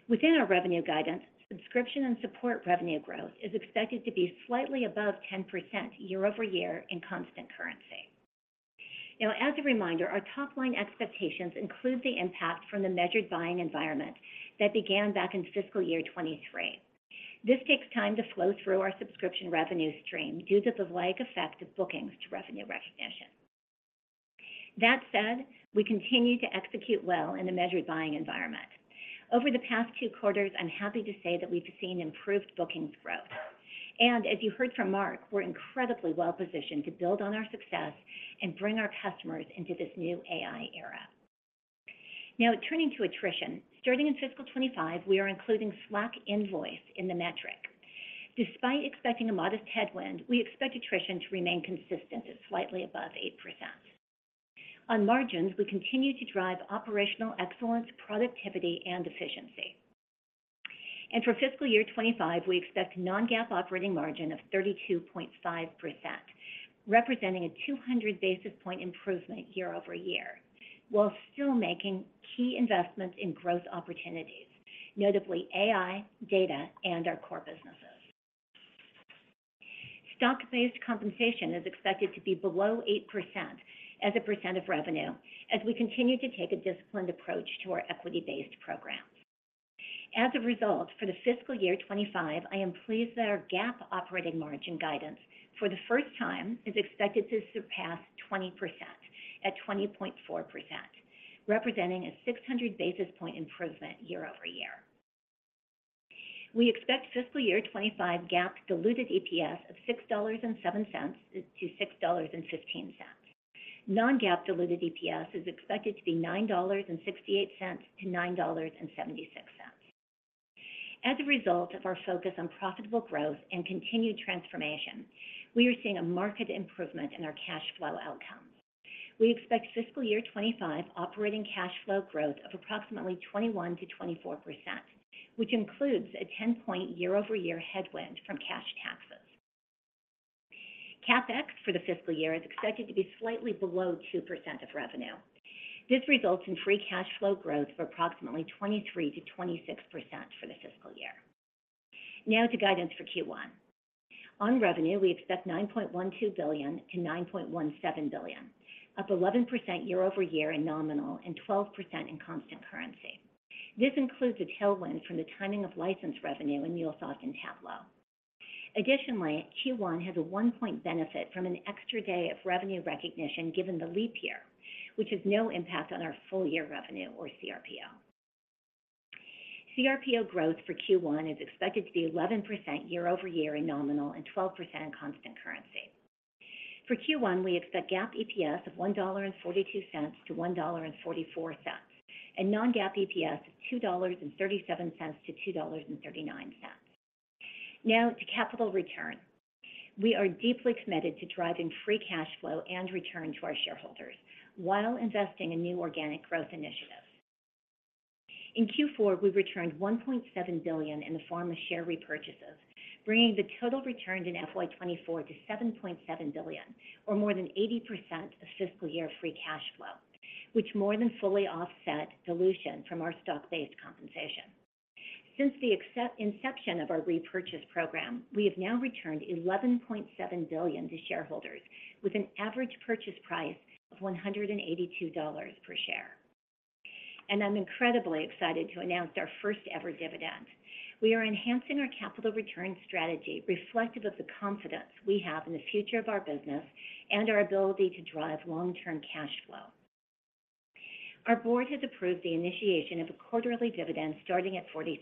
Within our revenue guidance, subscription and support revenue growth is expected to be slightly above 10% year-over-year in constant currency. Now, as a reminder, our top-line expectations include the impact from the measured buying environment that began back in fiscal year 2023. This takes time to flow through our subscription revenue stream due to the lag effect of bookings to revenue recognition. That said, we continue to execute well in the measured buying environment. Over the past two quarters, I'm happy to say that we've seen improved bookings growth. As you heard from Marc, we're incredibly well-positioned to build on our success and bring our customers into this new AI era. Now, turning to attrition, starting in fiscal 2025, we are including Slack invoice in the metric. Despite expecting a modest headwind, we expect attrition to remain consistent at slightly above 8%. On margins, we continue to drive operational excellence, productivity, and efficiency. For fiscal year 2025, we expect a non-GAAP operating margin of 32.5%, representing a 200 basis point improvement year-over-year, while still making key investments in growth opportunities, notably AI, data, and our core businesses. Stock-based compensation is expected to be below 8% as a percent of revenue, as we continue to take a disciplined approach to our equity-based programs. As a result, for the fiscal year 2025, I am pleased that our GAAP operating margin guidance, for the first time, is expected to surpass 20% at 20.4%, representing a 600 basis point improvement year over year. We expect fiscal year 2025 GAAP diluted EPS of $6.07-$6.15. Non-GAAP diluted EPS is expected to be $9.68-$9.76. As a result of our focus on profitable growth and continued transformation, we are seeing a marked improvement in our cash flow outcomes. We expect fiscal year 2025 operating cash flow growth of approximately 21%-24%, which includes a 10-point year-over-year headwind from cash taxes. CapEx for the fiscal year is expected to be slightly below 2% of revenue. This results in free cash flow growth of approximately 23%-26% for the fiscal year. Now to guidance for Q1. On revenue, we expect $9.12 billion-$9.17 billion, up 11% year-over-year in nominal and 12% in constant currency. This includes a tailwind from the timing of license revenue in MuleSoft and Tableau. Additionally, Q1 has a one-point benefit from an extra day of revenue recognition given the leap year, which has no impact on our full year revenue or CRPO. CRPO growth for Q1 is expected to be 11% year-over-year in nominal and 12% in constant currency. For Q1, we expect GAAP EPS of $1.42-$1.44 and non-GAAP EPS of $2.37-$2.39. Now to capital return. We are deeply committed to driving free cash flow and return to our shareholders while investing in new organic growth initiatives. In Q4, we returned $1.7 billion in the form of share repurchases, bringing the total returned in FY 2024 to $7.7 billion, or more than 80% of fiscal year free cash flow, which more than fully offset dilution from our stock-based compensation. Since the inception of our repurchase program, we have now returned $11.7 billion to shareholders with an average purchase price of $182 per share. I'm incredibly excited to announce our first-ever dividend. We are enhancing our capital return strategy reflective of the confidence we have in the future of our business and our ability to drive long-term cash flow. Our board has approved the initiation of a quarterly dividend starting at $0.40.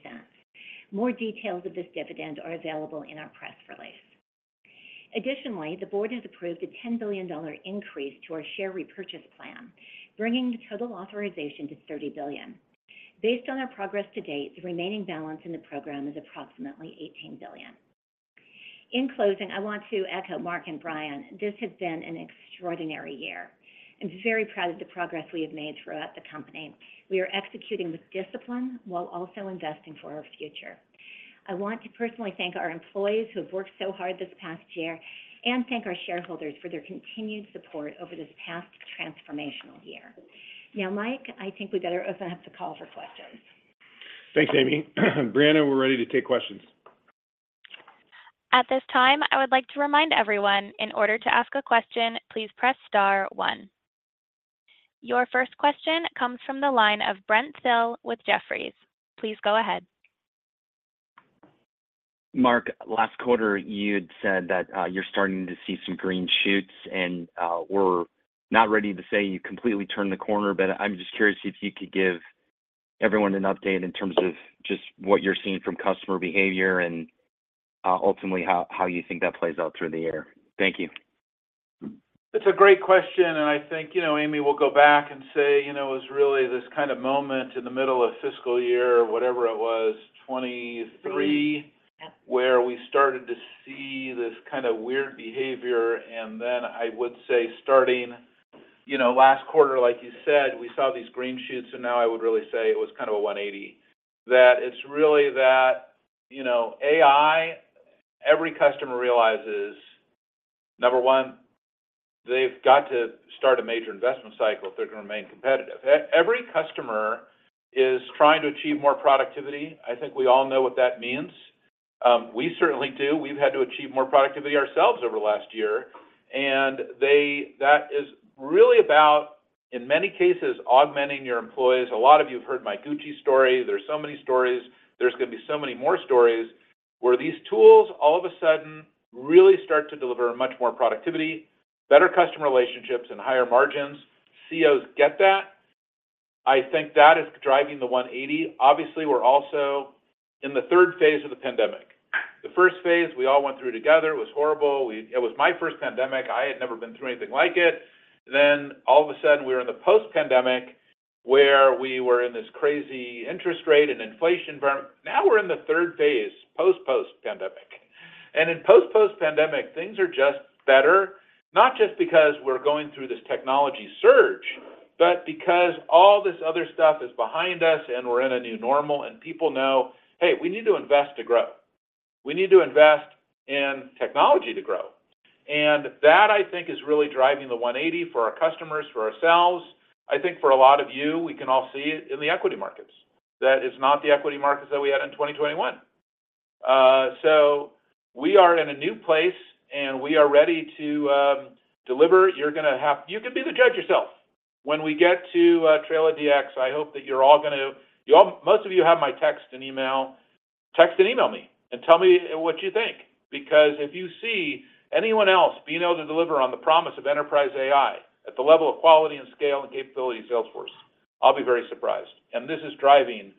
More details of this dividend are available in our press release. Additionally, the board has approved a $10 billion increase to our share repurchase plan, bringing the total authorization to $30 billion. Based on our progress to date, the remaining balance in the program is approximately $18 billion. In closing, I want to echo Marc and Brian. This has been an extraordinary year. I'm very proud of the progress we have made throughout the company. We are executing with discipline while also investing for our future. I want to personally thank our employees who have worked so hard this past year and thank our shareholders for their continued support over this past transformational year. Now, Mike, I think we better open up the call for questions. Thanks, Amy. Briana, we're ready to take questions. At this time, I would like to remind everyone, in order to ask a question, please press star one. Your first question comes from the line of Brent Thill with Jefferies. Please go ahead. Marc, last quarter, you had said that you're starting to see some green shoots. We're not ready to say you completely turned the corner, but I'm just curious if you could give everyone an update in terms of just what you're seeing from customer behavior and ultimately how you think that plays out through the year. Thank you. It's a great question. And I think, Amy, we'll go back and say it was really this kind of moment in the middle of fiscal year, whatever it was, 2023, where we started to see this kind of weird behavior. And then I would say starting last quarter, like you said, we saw these green shoots. And now I would really say it was kind of a 180. That it's really that AI, every customer realizes, number one, they've got to start a major investment cycle if they're going to remain competitive. Every customer is trying to achieve more productivity. I think we all know what that means. We certainly do. We've had to achieve more productivity ourselves over the last year. And that is really about, in many cases, augmenting your employees. A lot of you've heard my Gucci story. There's so many stories. There's going to be so many more stories where these tools, all of a sudden, really start to deliver much more productivity, better customer relationships, and higher margins. CEOs get that. I think that is driving the 180. Obviously, we're also in the third phase of the pandemic. The first phase, we all went through together. It was horrible. It was my first pandemic. I had never been through anything like it. Then all of a sudden, we were in the post-pandemic where we were in this crazy interest rate and inflation environment. Now we're in the third phase, post-post-pandemic. And in post-post-pandemic, things are just better, not just because we're going through this technology surge, but because all this other stuff is behind us and we're in a new normal. And people know, "Hey, we need to invest to grow. We need to invest in technology to grow." And that, I think, is really driving the 180 for our customers, for ourselves. I think for a lot of you, we can all see it in the equity markets. That it's not the equity markets that we had in 2021. So we are in a new place, and we are ready to deliver. You're going to have you can be the judge yourself. When we get to TrailheadDX, I hope that you're all going to most of you have my text and email. Text and email me and tell me what you think. Because if you see anyone else being able to deliver on the promise of enterprise AI at the level of quality and scale and capability of Salesforce, I'll be very surprised. And this is driving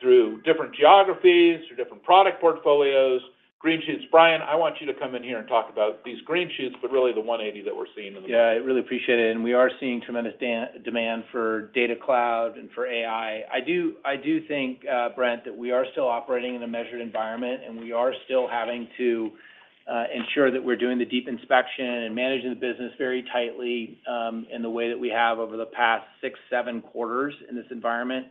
through different geographies, through different product portfolios, green shoots. Brian, I want you to come in here and talk about these green shoots, but really the 180 that we're seeing in the market. Yeah, I really appreciate it. And we are seeing tremendous demand for Data Cloud and for AI. I do think, Brent, that we are still operating in a measured environment, and we are still having to ensure that we're doing the deep inspection and managing the business very tightly in the way that we have over the past six, seven quarters in this environment.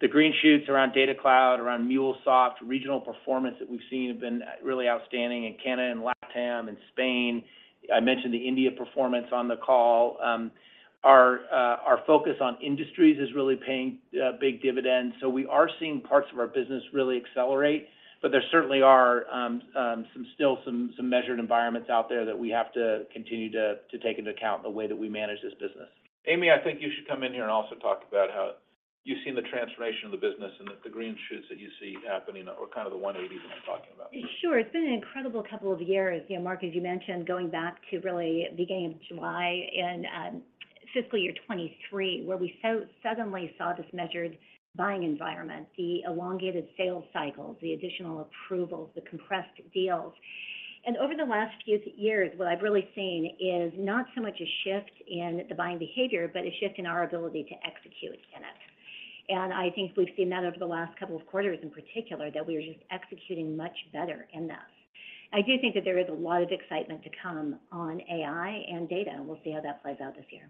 The green shoots around Data Cloud, around MuleSoft, regional performance that we've seen have been really outstanding. And Canada and LATAM and Spain, I mentioned the India performance on the call. Our focus on industries is really paying big dividends. So we are seeing parts of our business really accelerate. But there certainly are still some measured environments out there that we have to continue to take into account in the way that we manage this business. Amy, I think you should come in here and also talk about how you've seen the transformation of the business and the green shoots that you see happening or kind of the 180 that I'm talking about. Sure. It's been an incredible couple of years. Marc, as you mentioned, going back to really the beginning of July in fiscal year 2023, where we suddenly saw this measured buying environment, the elongated sales cycles, the additional approvals, the compressed deals. Over the last few years, what I've really seen is not so much a shift in the buying behavior, but a shift in our ability to execute in it. I think we've seen that over the last couple of quarters in particular, that we are just executing much better in this. I do think that there is a lot of excitement to come on AI and data. We'll see how that plays out this year.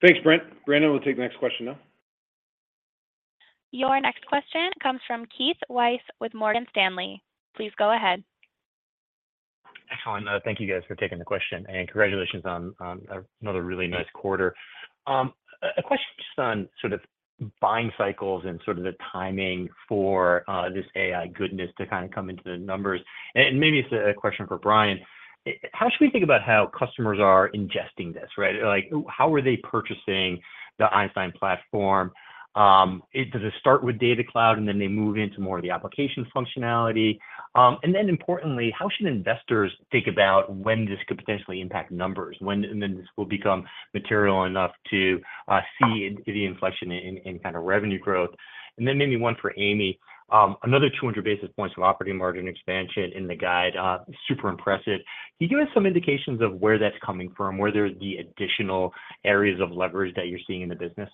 Thanks, Brent. Briana, we'll take the next question now. Your next question comes from Keith Weiss with Morgan Stanley. Please go ahead. Excellent. Thank you, guys, for taking the question. Congratulations on another really nice quarter. A question just on sort of buying cycles and sort of the timing for this AI goodness to kind of come into the numbers. Maybe it's a question for Brian. How should we think about how customers are ingesting this, right? How are they purchasing the Einstein platform? Does it start with Data Cloud, and then they move into more of the application functionality? Then importantly, how should investors think about when this could potentially impact numbers, when this will become material enough to see the inflection in kind of revenue growth? Then maybe one for Amy. Another 200 basis points of operating margin expansion in the guide. Super impressive. Can you give us some indications of where that's coming from, where there are the additional areas of leverage that you're seeing in the business?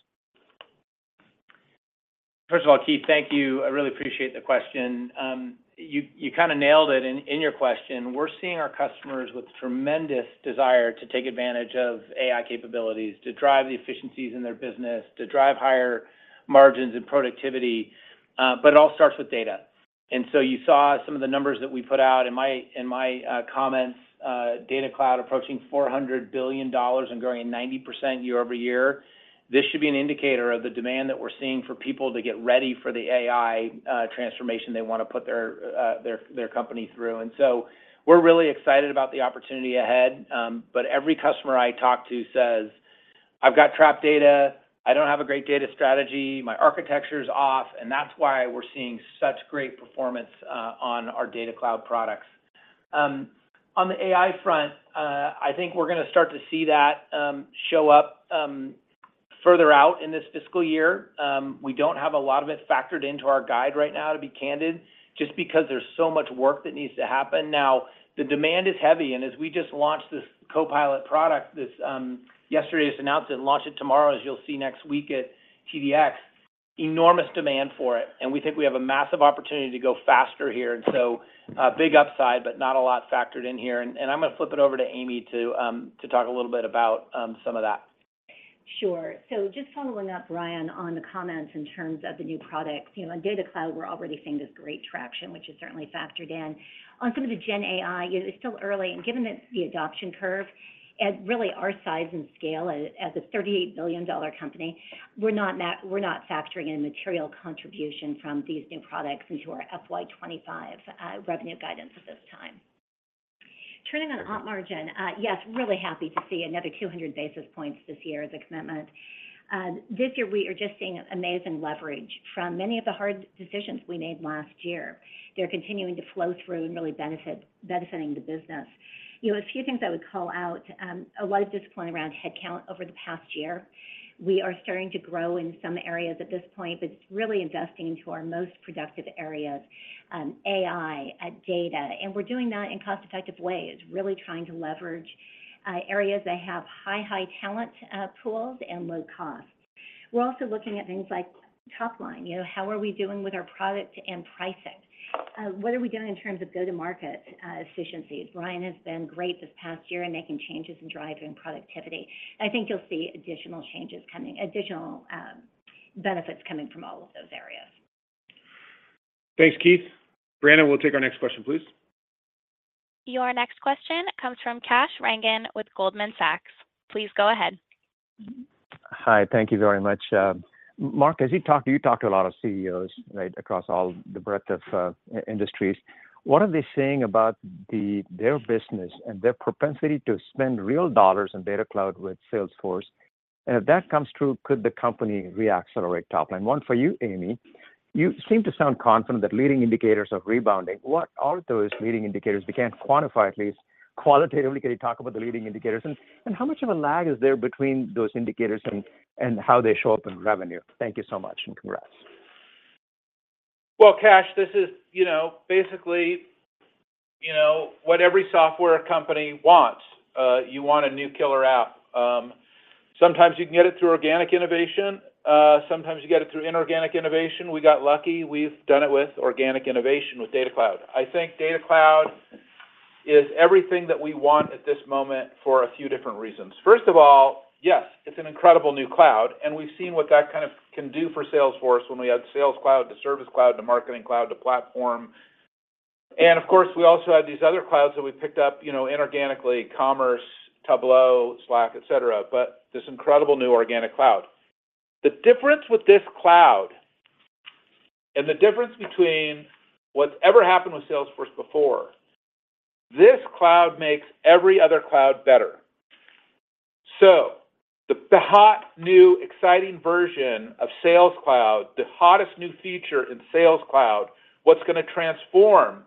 First of all, Keith, thank you. I really appreciate the question. You kind of nailed it in your question. We're seeing our customers with tremendous desire to take advantage of AI capabilities, to drive the efficiencies in their business, to drive higher margins and productivity. But it all starts with data. And so you saw some of the numbers that we put out in my comments, Data Cloud approaching $400 million and growing 90% year-over-year. This should be an indicator of the demand that we're seeing for people to get ready for the AI transformation they want to put their company through. And so we're really excited about the opportunity ahead. But every customer I talk to says, "I've got trapped data. I don't have a great data strategy. My architecture is off." And that's why we're seeing such great performance on our Data Cloud products. On the AI front, I think we're going to start to see that show up further out in this fiscal year. We don't have a lot of it factored into our guide right now, to be candid, just because there's so much work that needs to happen. Now, the demand is heavy. And as we just launched this Copilot product yesterday, just announced it, and launch it tomorrow, as you'll see next week at TDX, enormous demand for it. And we think we have a massive opportunity to go faster here. And so big upside, but not a lot factored in here. And I'm going to flip it over to Amy to talk a little bit about some of that. Sure. So just following up, Brian, on the comments in terms of the new products. On Data Cloud, we're already seeing this great traction, which is certainly factored in. On some of the Gen AI, it's still early. And given the adoption curve, at really our size and scale, as a $38 billion company, we're not factoring in material contribution from these new products into our FY 2025 revenue guidance at this time. Turning on op margin, yes, really happy to see another 200 basis points this year as a commitment. This year, we are just seeing amazing leverage from many of the hard decisions we made last year. They're continuing to flow through and really benefiting the business. A few things I would call out. A lot of discipline around headcount over the past year. We are starting to grow in some areas at this point, but it's really investing into our most productive areas, AI, data. And we're doing that in cost-effective ways, really trying to leverage areas that have high, high talent pools and low cost. We're also looking at things like top line. How are we doing with our product and pricing? What are we doing in terms of go-to-market efficiencies? Brian has been great this past year in making changes and driving productivity. I think you'll see additional changes coming, additional benefits coming from all of those areas. Thanks, Keith. Briana, we'll take our next question, please. Your next question comes from Kash Rangan with Goldman Sachs. Please go ahead. Hi. Thank you very much. Marc, as you talk, you talk to a lot of CEOs, right, across all the breadth of industries. What are they saying about their business and their propensity to spend real dollars on Data Cloud with Salesforce? And if that comes true, could the company reaccelerate top line? One for you, Amy. You seem to sound confident that leading indicators are rebounding. What are those leading indicators? If you can't quantify at least, qualitatively, can you talk about the leading indicators? And how much of a lag is there between those indicators and how they show up in revenue? Thank you so much and congrats. Well, Kash, this is basically what every software company wants. You want a new killer app. Sometimes you can get it through organic innovation. Sometimes you get it through inorganic innovation. We got lucky. We've done it with organic innovation with Data Cloud. I think Data Cloud is everything that we want at this moment for a few different reasons. First of all, yes, it's an incredible new cloud. And we've seen what that kind of can do for Salesforce when we had Sales Cloud to Service Cloud to Marketing Cloud to Platform. And of course, we also had these other clouds that we picked up inorganically: Commerce, Tableau, Slack, etc. But this incredible new organic cloud, the difference with this cloud and the difference between what's ever happened with Salesforce before, this cloud makes every other cloud better. So the hot, new, exciting version of Sales Cloud, the hottest new feature in Sales Cloud, what's going to transform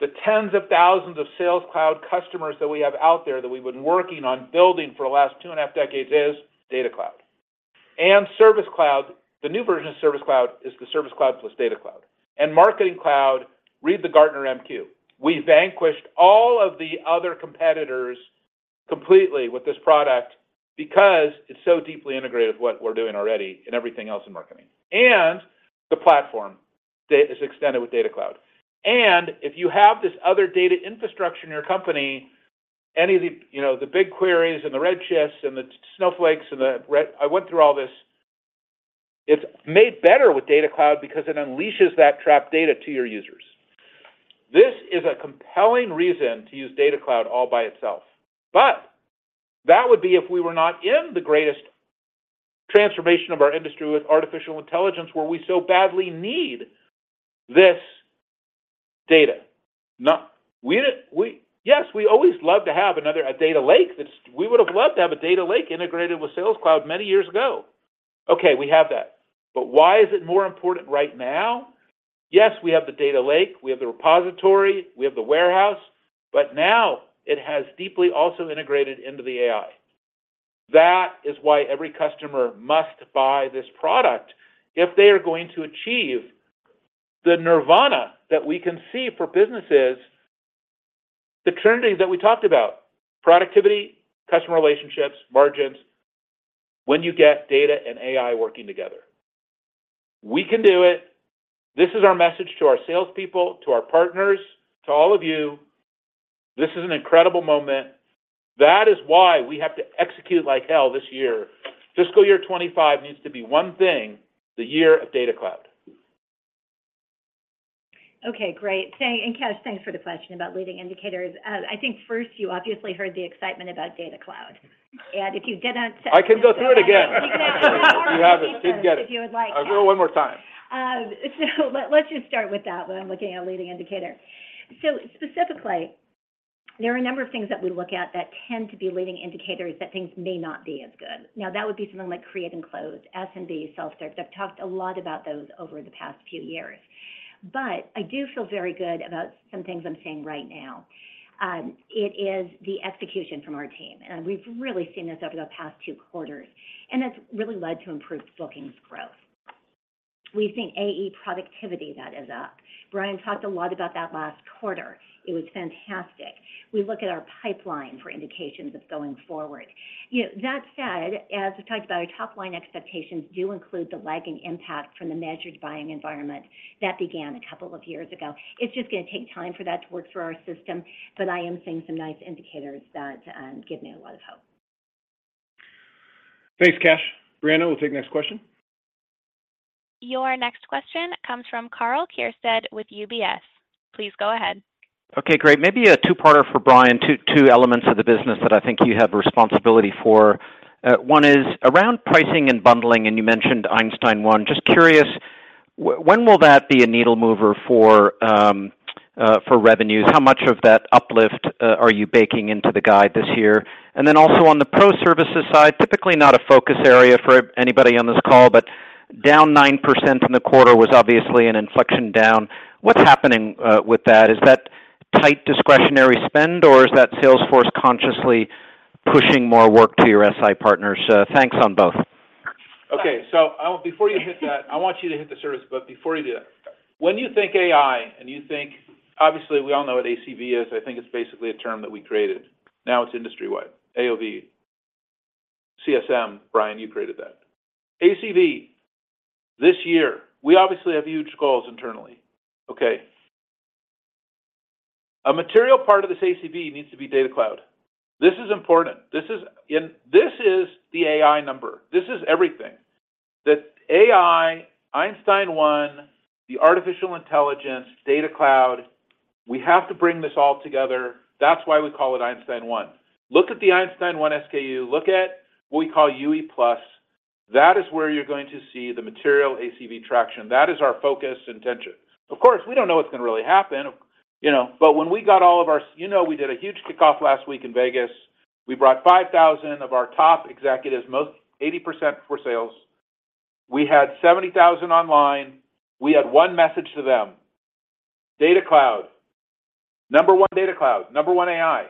the tens of thousands of Sales Cloud customers that we have out there that we've been working on building for the last two and a half decades is Data Cloud. And Service Cloud, the new version of Service Cloud is the Service Cloud plus Data Cloud. And Marketing Cloud, read the Gartner MQ. We vanquished all of the other competitors completely with this product because it's so deeply integrated with what we're doing already and everything else in marketing. And the Platform is extended with Data Cloud. And if you have this other data infrastructure in your company, any of the BigQuery and the Redshifts and the Snowflakes and the I went through all this. It's made better with Data Cloud because it unleashes that trapped data to your users. This is a compelling reason to use Data Cloud all by itself. But that would be if we were not in the greatest transformation of our industry with artificial intelligence where we so badly need this data. Yes, we always loved to have another data lake. We would have loved to have a data lake integrated with Sales Cloud many years ago. Okay, we have that. But why is it more important right now? Yes, we have the data lake. We have the repository. We have the warehouse. But now it has deeply also integrated into the AI. That is why every customer must buy this product if they are going to achieve the nirvana that we can see for businesses, the trinity that we talked about: productivity, customer relationships, margins, when you get data and AI working together. We can do it. This is our message to our salespeople, to our partners, to all of you. This is an incredible moment. That is why we have to execute like hell this year. Fiscal year 2025 needs to be one thing: the year of Data Cloud. Okay, great. And Kash, thanks for the question about leading indicators. I think first, you obviously heard the excitement about Data Cloud. And if you didn't-. I can go through it again. You have it. Didn't get it. I'll go through it one more time. So, let's just start with that when I'm looking at a leading indicator. So, specifically, there are a number of things that we look at that tend to be leading indicators that things may not be as good. Now, that would be something like create and close, SMB, self-directed. I've talked a lot about those over the past few years. But I do feel very good about some things I'm saying right now. It is the execution from our team. And we've really seen this over the past two quarters. And that's really led to improved bookings growth. We've seen AE productivity that is up. Brian talked a lot about that last quarter. It was fantastic. We look at our pipeline for indications of going forward. That said, as we've talked about, our top line expectations do include the lagging impact from the measured buying environment that began a couple of years ago. It's just going to take time for that to work through our system. But I am seeing some nice indicators that give me a lot of hope. Thanks, Kash. Briana, we'll take the next question. Your next question comes from Karl Keirstead with UBS. Please go ahead. Okay, great. Maybe a two-parter for Brian, two elements of the business that I think you have responsibility for. One is around pricing and bundling. And you mentioned Einstein 1. Just curious, when will that be a needle mover for revenues? How much of that uplift are you baking into the guide this year? And then also on the pro-services side, typically not a focus area for anybody on this call, but down 9% in the quarter was obviously an inflection down. What's happening with that? Is that tight discretionary spend, or is that Salesforce consciously pushing more work to your SI partners? Thanks on both. Okay. So before you hit that, I want you to hit the service. But before you do that, when you think AI and you think obviously, we all know what ACV is. I think it's basically a term that we created. Now it's industry-wide, AOV. CSM, Brian, you created that. ACV, this year, we obviously have huge goals internally, okay? A material part of this ACV needs to be Data Cloud. This is important. And this is the AI number. This is everything. That AI, Einstein 1, the artificial intelligence, Data Cloud, we have to bring this all together. That's why we call it Einstein 1. Look at the Einstein 1 SKU. Look at what we call UE+. That is where you're going to see the material ACV traction. That is our focus intention. Of course, we don't know what's going to really happen. But when we got all of ours, we did a huge kickoff last week in Vegas. We brought 5,000 of our top executives, 80% for sales. We had 70,000 online. We had one message to them: Data Cloud, number one Data Cloud, number one AI.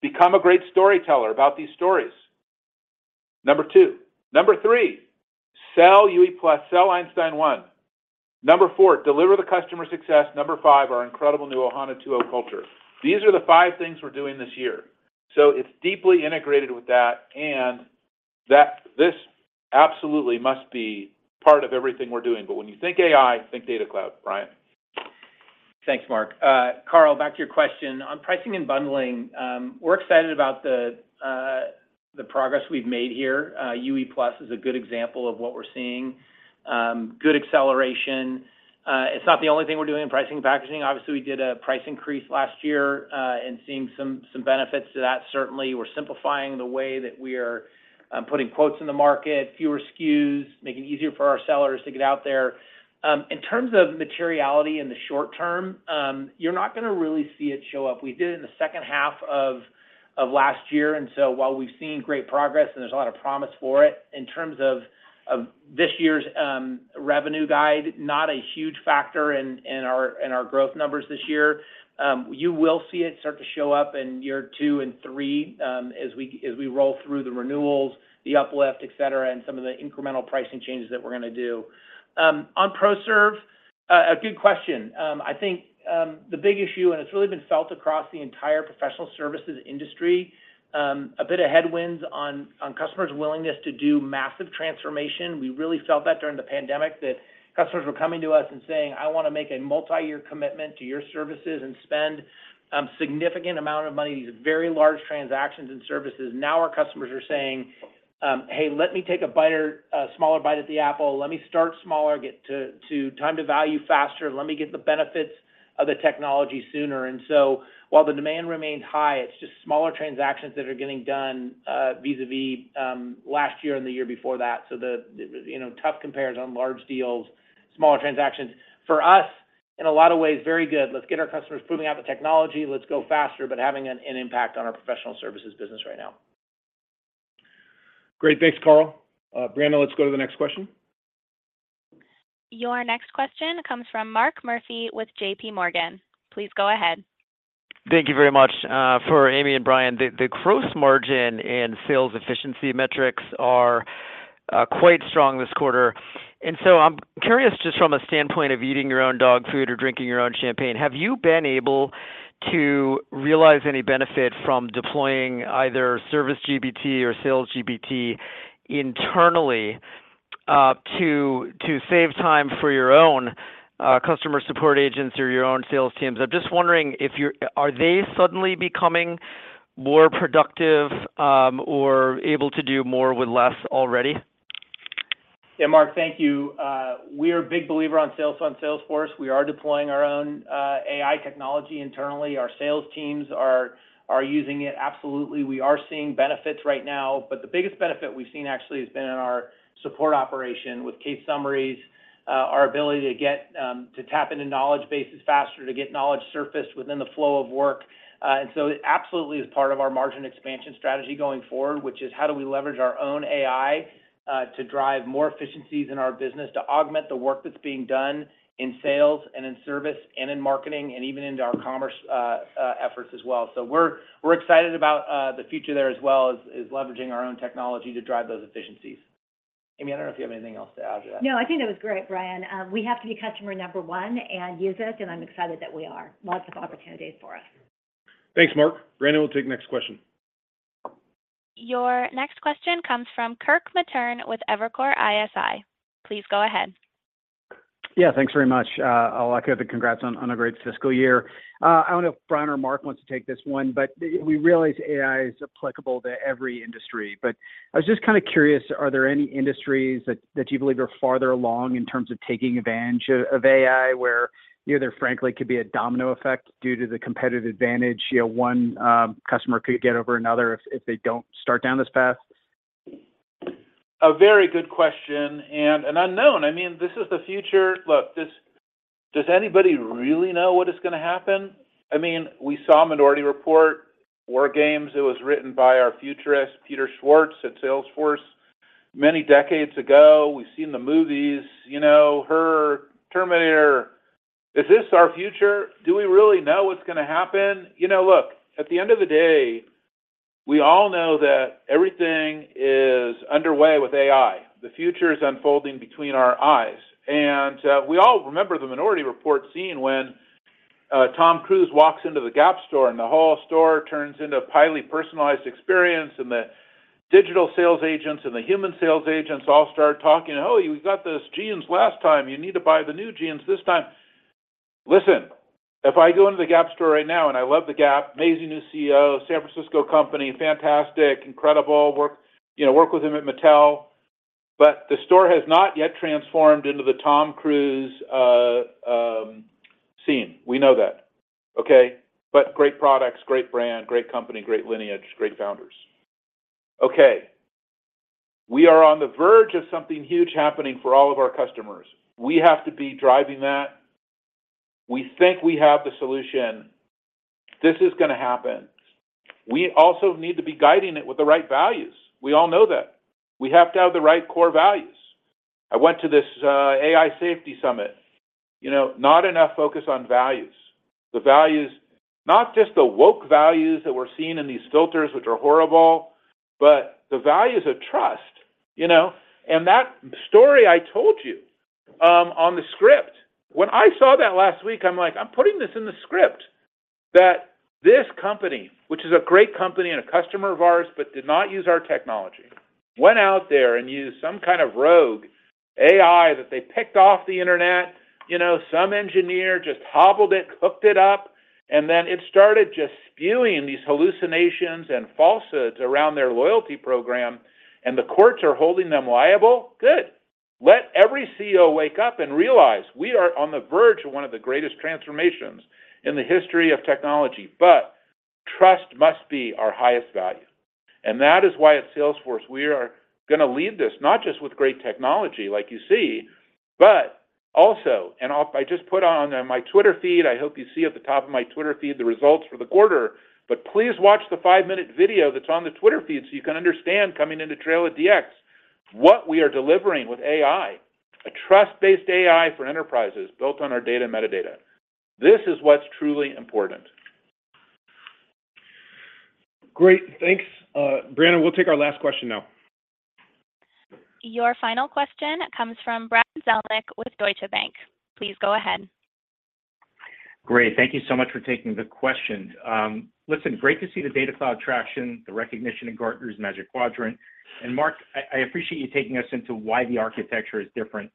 Become a great storyteller about these stories. Number two. Number three, sell UE+, sell Einstein 1. Number four, deliver the customer success. Number five, our incredible new Ohana 2.0 culture. These are the five things we're doing this year. So it's deeply integrated with that. And this absolutely must be part of everything we're doing. But when you think AI, think Data Cloud, Brian. Thanks, Marc. Karl, back to your question. On pricing and bundling, we're excited about the progress we've made here. UE+ is a good example of what we're seeing. Good acceleration. It's not the only thing we're doing in pricing and packaging. Obviously, we did a price increase last year. Seeing some benefits to that, certainly. We're simplifying the way that we are putting quotes in the market, fewer SKUs, making it easier for our sellers to get out there. In terms of materiality in the short term, you're not going to really see it show up. We did it in the second half of last year. So while we've seen great progress and there's a lot of promise for it, in terms of this year's revenue guide, not a huge factor in our growth numbers this year. You will see it start to show up in year two and three as we roll through the renewals, the uplift, etc., and some of the incremental pricing changes that we're going to do. On pro-serve, a good question. I think the big issue, and it's really been felt across the entire professional services industry, a bit of headwinds on customers' willingness to do massive transformation. We really felt that during the pandemic, that customers were coming to us and saying, "I want to make a multi-year commitment to your services and spend a significant amount of money, these very large transactions and services." Now our customers are saying, "Hey, let me take a smaller bite at the apple. Let me start smaller, get to time to value faster. Let me get the benefits of the technology sooner." And so while the demand remains high, it's just smaller transactions that are getting done vis-à-vis last year and the year before that. So the tough compares on large deals, smaller transactions. For us, in a lot of ways, very good. Let's get our customers proving out the technology. Let's go faster, but having an impact on our professional services business right now. Great. Thanks, Karl. Briana, let's go to the next question. Your next question comes from Mark Murphy with JPMorgan. Please go ahead. Thank you very much. For Amy and Brian, the gross margin and sales efficiency metrics are quite strong this quarter. And so I'm curious just from a standpoint of eating your own dog food or drinking your own champagne, have you been able to realize any benefit from deploying either Service GPT or Sales GPT internally to save time for your own customer support agents or your own sales teams? I'm just wondering, are they suddenly becoming more productive or able to do more with less already? Yeah, Mark, thank you. We are a big believer on Salesforce. We are deploying our own AI technology internally. Our sales teams are using it absolutely. We are seeing benefits right now. But the biggest benefit we've seen actually has been in our support operation with case summaries, our ability to tap into knowledge bases faster, to get knowledge surfaced within the flow of work. And so it absolutely is part of our margin expansion strategy going forward, which is how do we leverage our own AI to drive more efficiencies in our business, to augment the work that's being done in sales and in service and in marketing and even into our commerce efforts as well. So we're excited about the future there as well as leveraging our own technology to drive those efficiencies. Amy, I don't know if you have anything else to add to that. No, I think that was great, Brian. We have to be customer number one and use it. I'm excited that we are. Lots of opportunities for us. Thanks, Mark. Briana, we'll take the next question. Your next question comes from Kirk Materne with Evercore ISI. Please go ahead. Yeah, thanks very much. I'll bow out the congrats on a great fiscal year. I don't know if Brian or Marc wants to take this one. But we realize AI is applicable to every industry. But I was just kind of curious, are there any industries that you believe are farther along in terms of taking advantage of AI where there, frankly, could be a domino effect due to the competitive advantage one customer could get over another if they don't start down this path? A very good question and an unknown. I mean, this is the future. Look, does anybody really know what is going to happen? I mean, we saw a Minority Report. War Games, it was written by our futurist, Peter Schwartz, at Salesforce many decades ago. We've seen the movies. Her, Terminator, is this our future? Do we really know what's going to happen? Look, at the end of the day, we all know that everything is underway with AI. The future is unfolding before our eyes. And we all remember the Minority Report scene when Tom Cruise walks into the Gap store and the whole store turns into a highly personalized experience. And the digital sales agents and the human sales agents all start talking, "Hey, we got those jeans last time. You need to buy the new jeans this time." Listen, if I go into the Gap store right now and I love the Gap, amazing new CEO, San Francisco company, fantastic, incredible, work with him at Mattel. But the store has not yet transformed into the Tom Cruise scene. We know that, okay? But great products, great brand, great company, great lineage, great founders. Okay. We are on the verge of something huge happening for all of our customers. We have to be driving that. We think we have the solution. This is going to happen. We also need to be guiding it with the right values. We all know that. We have to have the right core values. I went to this AI Safety Summit. Not enough focus on values. The values, not just the woke values that we're seeing in these filters, which are horrible, but the values of trust. And that story I told you on the script, when I saw that last week, I'm like, "I'm putting this in the script that this company, which is a great company and a customer of ours but did not use our technology, went out there and used some kind of rogue AI that they picked off the internet. Some engineer just hobbled it, hooked it up. And then it started just spewing these hallucinations and falsehoods around their loyalty program. And the courts are holding them liable. Good. Let every CEO wake up and realize we are on the verge of one of the greatest transformations in the history of technology. But trust must be our highest value. And that is why at Salesforce, we are going to lead this, not just with great technology like you see, but also and I'll just put on my Twitter feed. I hope you see at the top of my Twitter feed the results for the quarter. But please watch the five-minute video that's on the Twitter feed so you can understand, coming into TrailheadDX, what we are delivering with AI, a trust-based AI for enterprises built on our data and metadata. This is what's truly important. Great. Thanks. Briana, we'll take our last question now. Your final question comes from Brad Zelnick with Deutsche Bank. Please go ahead. Great. Thank you so much for taking the question. Listen, great to see the Data Cloud traction, the recognition in Gartner's Magic Quadrant. And Marc, I appreciate you taking us into why the architecture is different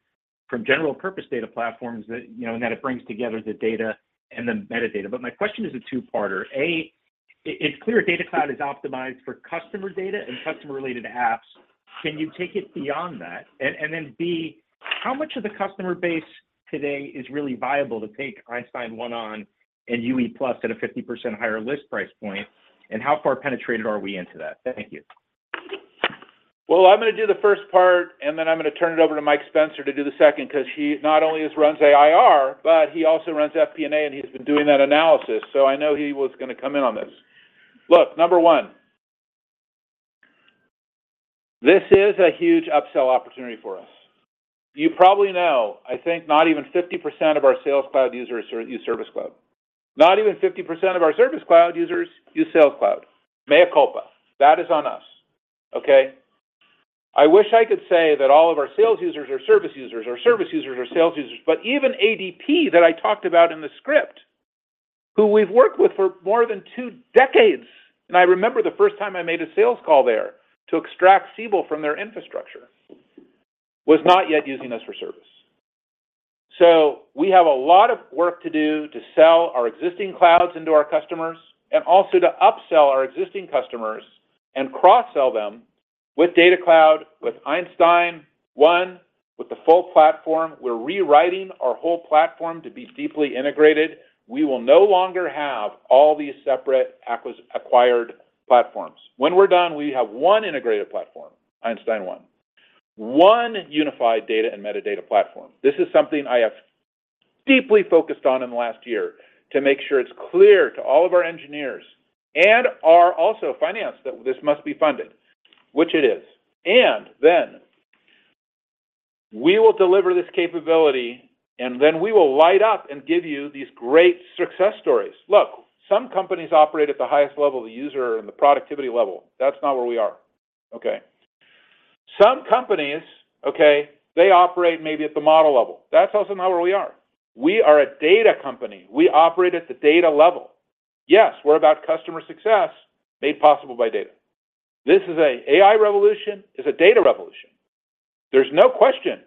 from general-purpose data platforms and that it brings together the data and the metadata. But my question is a two-parter. A, it's clear Data Cloud is optimized for customer data and customer-related apps. Can you take it beyond that? And then B, how much of the customer base today is really viable to take Einstein 1 on and UE+ at a 50% higher list price point? And how far penetrated are we into that? Thank you. Well, I'm going to do the first part. And then I'm going to turn it over to Mike Spencer to do the second because he not only runs IR, but he also runs FP&A. And he's been doing that analysis. So I know he was going to come in on this. Look, number one, this is a huge upsell opportunity for us. You probably know, I think, not even 50% of our Sales Cloud users use Service Cloud. Not even 50% of our Service Cloud users use Sales Cloud, mea culpa. That is on us, okay? I wish I could say that all of our sales users are service users or service users are sales users. But even ADP that I talked about in the script, who we've worked with for more than two decades, and I remember the first time I made a sales call there to extract Siebel from their infrastructure, was not yet using us for service. So we have a lot of work to do to sell our existing clouds into our customers and also to upsell our existing customers and cross-sell them with Data Cloud, with Einstein 1, with the full platform. We're rewriting our whole platform to be deeply integrated. We will no longer have all these separate acquired platforms. When we're done, we have one integrated platform, Einstein 1, one unified data and metadata platform. This is something I have deeply focused on in the last year to make sure it's clear to all of our engineers and our also finance that this must be funded, which it is. And then we will deliver this capability. And then we will light up and give you these great success stories. Look, some companies operate at the highest level, the user and the productivity level. That's not where we are, okay? Some companies, okay, they operate maybe at the model level. That's also not where we are. We are a data company. We operate at the data level. Yes, we're about customer success made possible by data. This is an AI revolution. It's a data revolution. There's no question.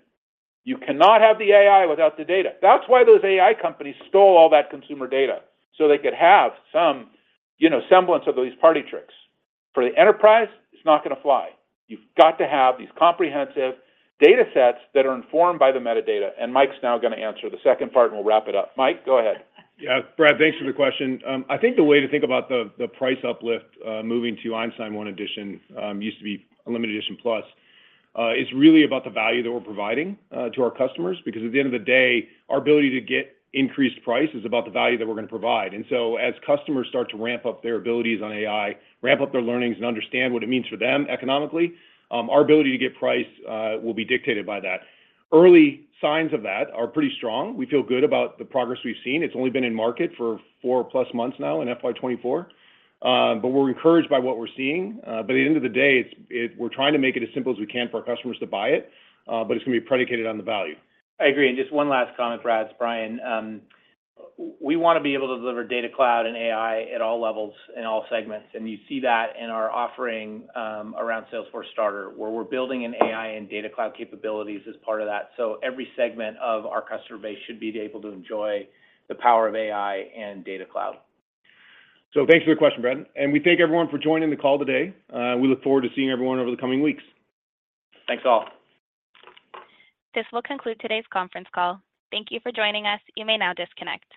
You cannot have the AI without the data. That's why those AI companies stole all that consumer data so they could have some semblance of these party tricks. For the enterprise, it's not going to fly. You've got to have these comprehensive datasets that are informed by the Metadata. Mike's now going to answer the second part. We'll wrap it up. Mike, go ahead. Yeah, Brad, thanks for the question. I think the way to think about the price uplift moving to Einstein 1 Edition, used to be UE+, is really about the value that we're providing to our customers. Because at the end of the day, our ability to get increased price is about the value that we're going to provide. And so as customers start to ramp up their abilities on AI, ramp up their learnings, and understand what it means for them economically, our ability to get price will be dictated by that. Early signs of that are pretty strong. We feel good about the progress we've seen. It's only been in market for 4+ months now in FY 2024. But we're encouraged by what we're seeing. But at the end of the day, we're trying to make it as simple as we can for our customers to buy it. But it's going to be predicated on the value. I agree. And just one last comment, Brad, Brian. We want to be able to deliver Data Cloud and AI at all levels and all segments. And you see that in our offering around Salesforce Starter, where we're building an AI and Data Cloud capabilities as part of that. So every segment of our customer base should be able to enjoy the power of AI and Data Cloud. Thanks for the question, Brad. We thank everyone for joining the call today. We look forward to seeing everyone over the coming weeks. Thanks all. This will conclude today's conference call. Thank you for joining us. You may now disconnect.